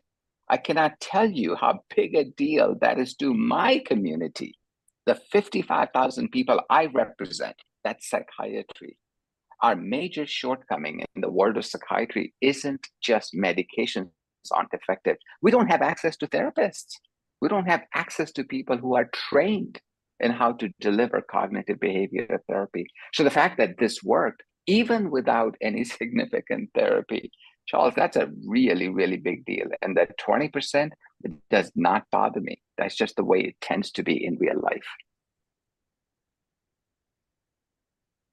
I cannot tell you how big a deal that is to my community. The 55,000 people I represent at psychiatry, our major shortcoming in the world of psychiatry isn't just medications aren't effective. We don't have access to therapists. We don't have access to people who are trained in how to deliver cognitive behavioral therapy. So the fact that this worked even without any significant therapy, Charles, that's a really, really big deal. That 20%, it does not bother me. That's just the way it tends to be in real life.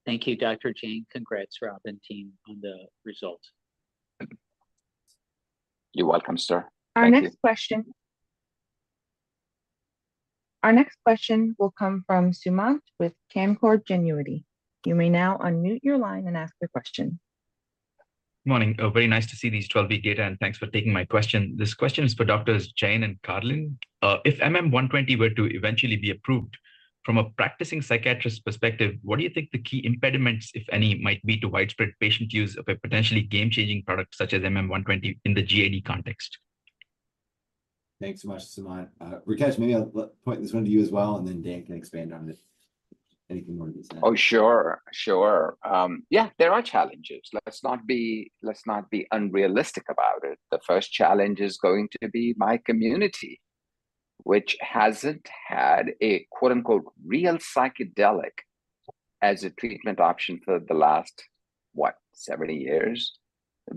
Thank you, Dr. Jane. Congrats, Rob and team, on the results. You're welcome, sir. Our next question will come from Sumant with Canaccord Genuity. You may now unmute your line and ask your question. Good morning. Very nice to see these 12-week data, and thanks for taking my question. This question is for Dr. Jane and Dr. Karlin. If MM120 were to eventually be approved, from a practicing psychiatrist's perspective, what do you think the key impediments, if any, might be to widespread patient use of a potentially game-changing product such as MM120 in the GAD context? Thanks so much, Sumant. Rakesh, maybe I'll point this one to you as well, and then Dan can expand on it. Anything more to this? Oh, sure. Yeah, there are challenges. Let's not be unrealistic about it. The first challenge is going to be my community, which hasn't had a "real psychedelic" as a treatment option for the last, what, 70 years?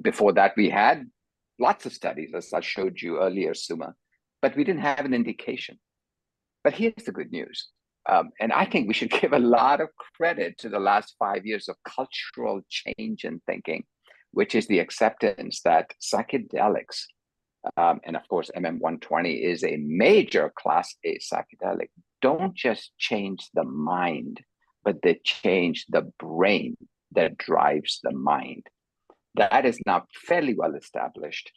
Before that, we had lots of studies, as I showed you earlier, Sumant, but we didn't have an indication. But here's the good news. And I think we should give a lot of credit to the last five years of cultural change in thinking, which is the acceptance that psychedelics and, of course, MM120 is a major class A psychedelic don't just change the mind, but they change the brain that drives the mind. That is now fairly well established.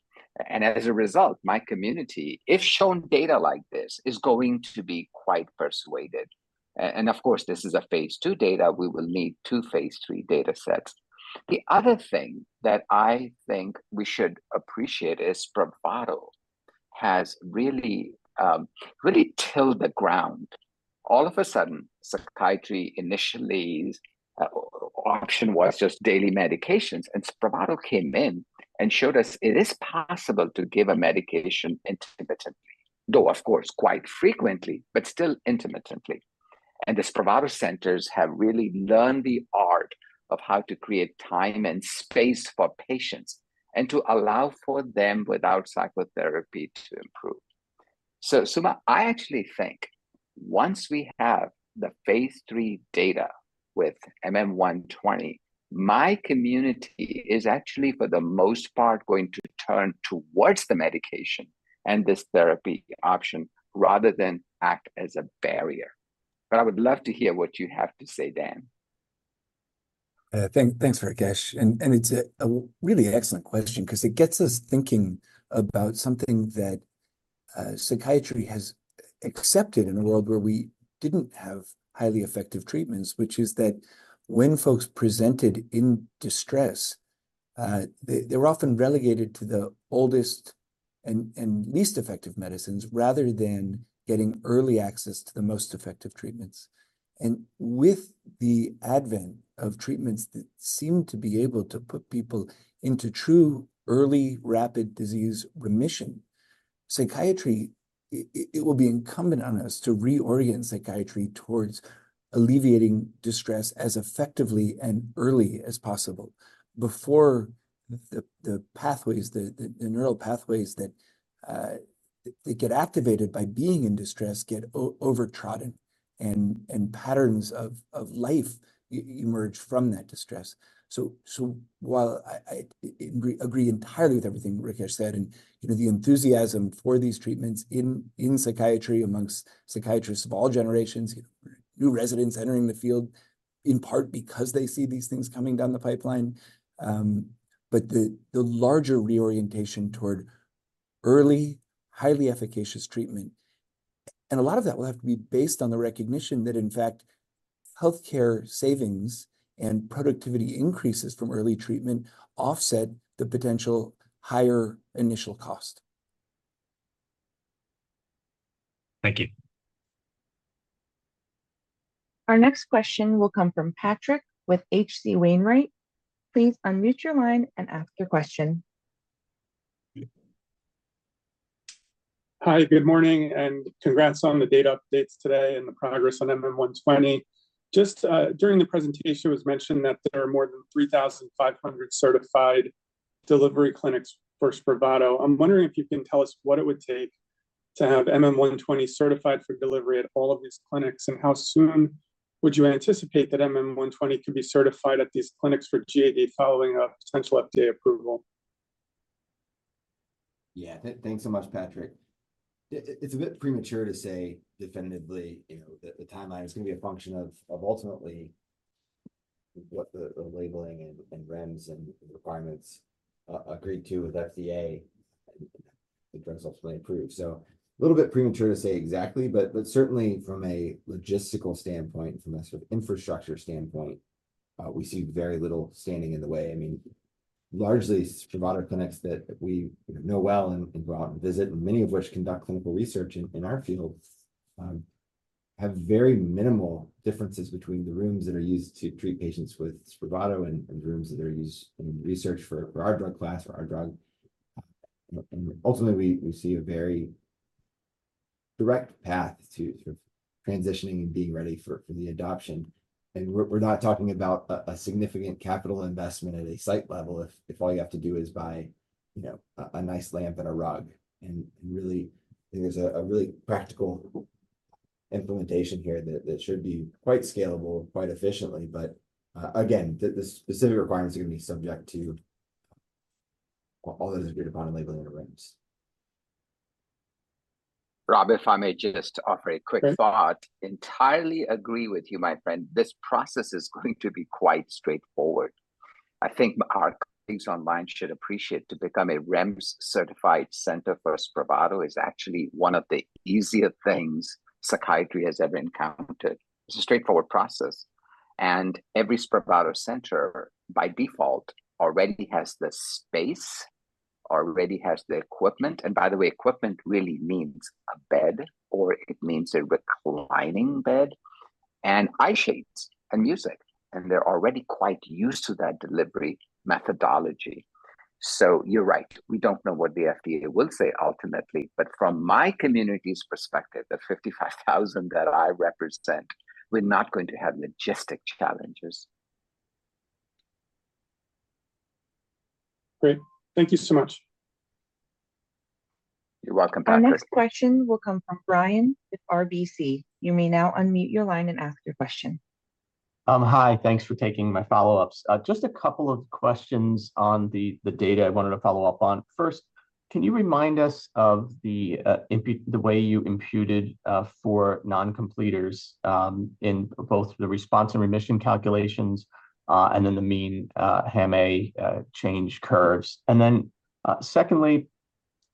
And as a result, my community, if shown data like this, is going to be quite persuaded. And of course, this is a phase 2 data. We will need two phase III datasets. The other thing that I think we should appreciate is SPRAVATO has really tilled the ground. All of a sudden, psychiatry's initial option was just daily medications, and SPRAVATO came in and showed us it is possible to give a medication intermittently, though, of course, quite frequently, but still intermittently. And the SPRAVATO centers have really learned the art of how to create time and space for patients and to allow for them, without psychotherapy, to improve. So Sumant, I actually think once we have the phase III data with MM120, my community is actually, for the most part, going to turn towards the medication and this therapy option rather than act as a barrier. But I would love to hear what you have to say, Dan. Thanks, Rakesh. It's a really excellent question because it gets us thinking about something that psychiatry has accepted in a world where we didn't have highly effective treatments, which is that when folks presented in distress, they were often relegated to the oldest and least effective medicines rather than getting early access to the most effective treatments. With the advent of treatments that seem to be able to put people into true early, rapid disease remission, psychiatry. It will be incumbent on us to reorient psychiatry towards alleviating distress as effectively and early as possible before the pathways, the neural pathways that get activated by being in distress get overtrodden, and patterns of life emerge from that distress. So, while I agree entirely with everything Rakesh said and the enthusiasm for these treatments in psychiatry among psychiatrists of all generations, new residents entering the field in part because they see these things coming down the pipeline, but the larger reorientation toward early, highly efficacious treatment, and a lot of that will have to be based on the recognition that, in fact, healthcare savings and productivity increases from early treatment offset the potential higher initial cost. Thank you. Our next question will come from Patrick with H.C. Wainwright. Please unmute your line and ask your question. Hi, good morning, and congrats on the data updates today and the progress on MM120. Just during the presentation, it was mentioned that there are more than 3,500 certified delivery clinics for SPRAVATO. I'm wondering if you can tell us what it would take to have MM120 certified for delivery at all of these clinics, and how soon would you anticipate that MM120 could be certified at these clinics for GAD following a potential FDA approval? Yeah, thanks so much, Patrick. It's a bit premature to say definitively. The timeline is going to be a function of ultimately what the labeling and REMS and requirements agree to with FDA, and the drugs ultimately approve. So a little bit premature to say exactly, but certainly from a logistical standpoint, from a sort of infrastructure standpoint, we see very little standing in the way. I mean, largely, SPRAVATO clinics that we know well and go out and visit, and many of which conduct clinical research in our field, have very minimal differences between the rooms that are used to treat patients with SPRAVATO and the rooms that are used in research for our drug class or our drug. Ultimately, we see a very direct path to sort of transitioning and being ready for the adoption. We're not talking about a significant capital investment at a site level if all you have to do is buy a nice lamp and a rug. Really, I think there's a really practical implementation here that should be quite scalable, quite efficiently. But again, the specific requirements are going to be subject to all that is agreed upon on labeling and REMS. Rob, if I may just offer a quick thought, entirely agree with you, my friend. This process is going to be quite straightforward. I think our colleagues online should appreciate to become a REMS-certified center for SPRAVATO is actually one of the easiest things psychiatry has ever encountered. It's a straightforward process. Every SPRAVATO center, by default, already has the space, already has the equipment. By the way, equipment really means a bed, or it means a reclining bed, and eyeshades, and music. They're already quite used to that delivery methodology. You're right. We don't know what the FDA will say ultimately. But from my community's perspective, the 55,000 that I represent, we're not going to have logistic challenges. Great. Thank you so much. You're welcome, Patrick. Our next question will come from Brian with RBC. You may now unmute your line and ask your question. Hi, thanks for taking my follow-ups. Just a couple of questions on the data I wanted to follow up on. First, can you remind us of the way you imputed for non-completors in both the response and remission calculations and then the mean HAM-A change curves? And then secondly,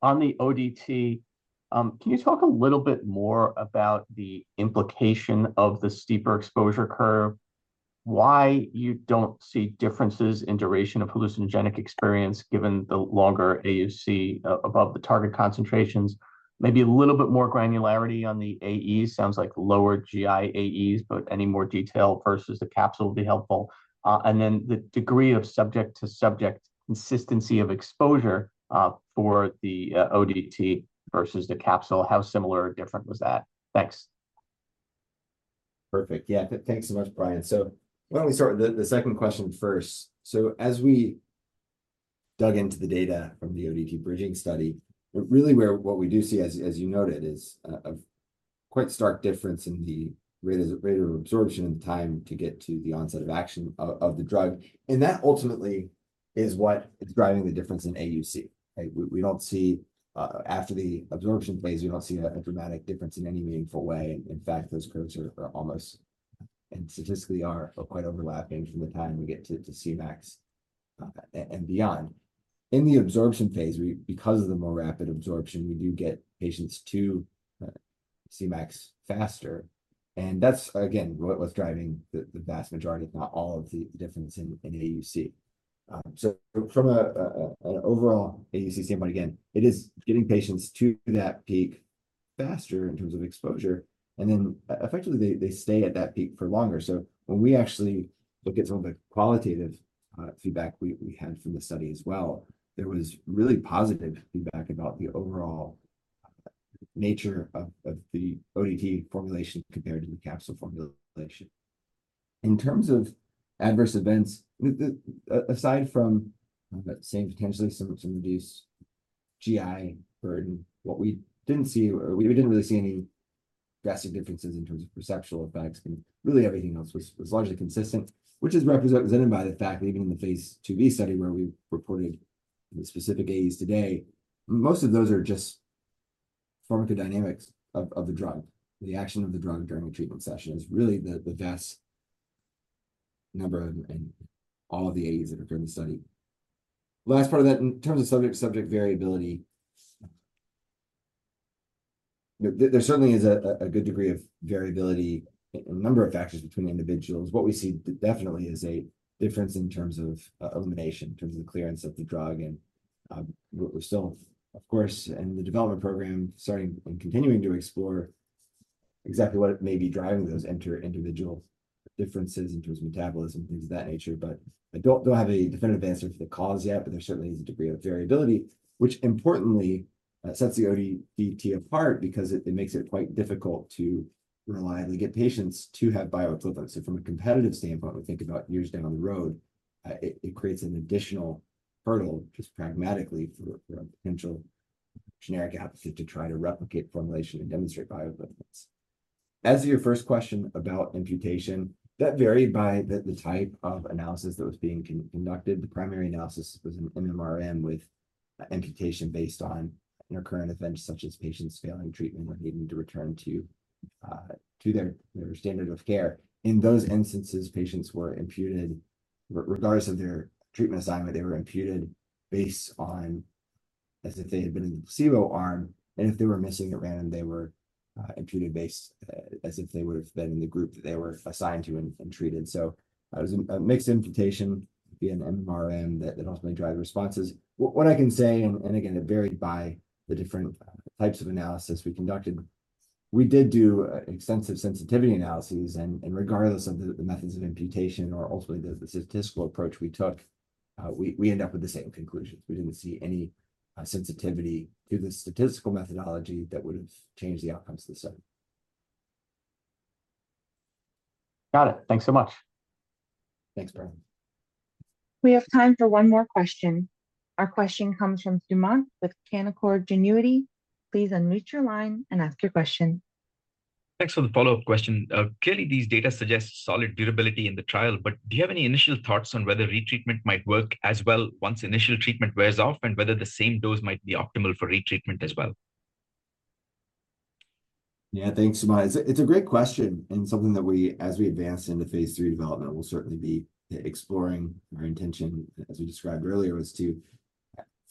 on the ODT, can you talk a little bit more about the implication of the steeper exposure curve, why you don't see differences in duration of hallucinogenic experience given the longer AUC above the target concentrations? Maybe a little bit more granularity on the AEs. Sounds like lower GI AEs, but any more detail versus the capsule would be helpful. And then the degree of subject-to-subject consistency of exposure for the ODT versus the capsule, how similar or different was that? Thanks. Perfect. Yeah, thanks so much, Brian. So why don't we start with the second question first? So as we dug into the data from the ODT bridging study, really where what we do see, as you noted, is a quite stark difference in the rate of absorption and the time to get to the onset of action of the drug. And that ultimately is what is driving the difference in AUC, right? After the absorption phase, we don't see a dramatic difference in any meaningful way. In fact, those curves are almost and statistically are quite overlapping from the time we get to CMAX and beyond. In the absorption phase, because of the more rapid absorption, we do get patients to CMAX faster. And that's, again, what was driving the vast majority, if not all, of the difference in AUC. So from an overall AUC standpoint, again, it is getting patients to that peak faster in terms of exposure, and then effectively, they stay at that peak for longer. So when we actually look at some of the qualitative feedback we had from the study as well, there was really positive feedback about the overall nature of the ODT formulation compared to the capsule formulation. In terms of adverse events, aside from, say, potentially some reduced GI burden, what we didn't see, we didn't really see any drastic differences in terms of perceptual effects. And really, everything else was largely consistent, which is represented by the fact that even in the phase II-B study where we reported the specific AEs today, most of those are just pharmacodynamics of the drug. The action of the drug during a treatment session is really the vast number of and all of the AEs that occur in the study. Last part of that, in terms of subject-to-subject variability, there certainly is a good degree of variability, a number of factors between individuals. What we see definitely is a difference in terms of elimination, in terms of the clearance of the drug. And we're still, of course, in the development program, starting and continuing to explore exactly what may be driving those inter-individual differences in terms of metabolism and things of that nature. But I don't have a definitive answer for the cause yet, but there certainly is a degree of variability, which importantly sets the ODT apart because it makes it quite difficult to reliably get patients to have bioequivalents. From a competitive standpoint, we think about years down the road, it creates an additional hurdle, just pragmatically, for a potential generic applicant to try to replicate formulation and demonstrate bioequivalence. As to your first question about imputation, that varied by the type of analysis that was being conducted. The primary analysis was an MMRM with imputation based on intercurrent events such as patients failing treatment or needing to return to their standard of care. In those instances, patients were imputed, regardless of their treatment assignment. They were imputed based on as if they had been in the placebo arm. If they were missing at random, they were imputed based as if they would have been in the group that they were assigned to and treated. It was a mixed imputation via an MMRM that ultimately drives responses. What I can say, and again, it varied by the different types of analysis we conducted, we did do extensive sensitivity analyses. Regardless of the methods of imputation or ultimately the statistical approach we took, we ended up with the same conclusions. We didn't see any sensitivity to the statistical methodology that would have changed the outcomes of the study. Got it. Thanks so much. Thanks, Brian. We have time for one more question. Our question comes from Sumant with Canaccord Genuity. Please unmute your line and ask your question. Thanks for the follow-up question. Clearly, these data suggest solid durability in the trial, but do you have any initial thoughts on whether retreatment might work as well once initial treatment wears off and whether the same dose might be optimal for retreatment as well? Yeah, thanks, Sumant. It's a great question and something that we, as we advance into phase III development, will certainly be exploring. Our intention, as we described earlier, was to,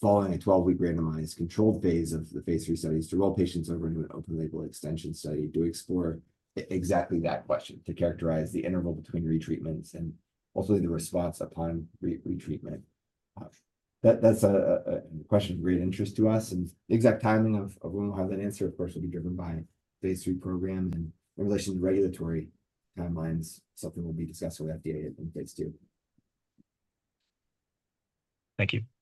following a 12-week randomized controlled phase of the phase III studies, to roll patients over into an open-label extension study to explore exactly that question, to characterize the interval between retreatments and ultimately the response upon retreatment. That's a question of great interest to us. And the exact timing of when we'll have that answer, of course, will be driven by phase III program. And in relation to regulatory timelines, something will be discussed with the FDA in phase II. Thank you.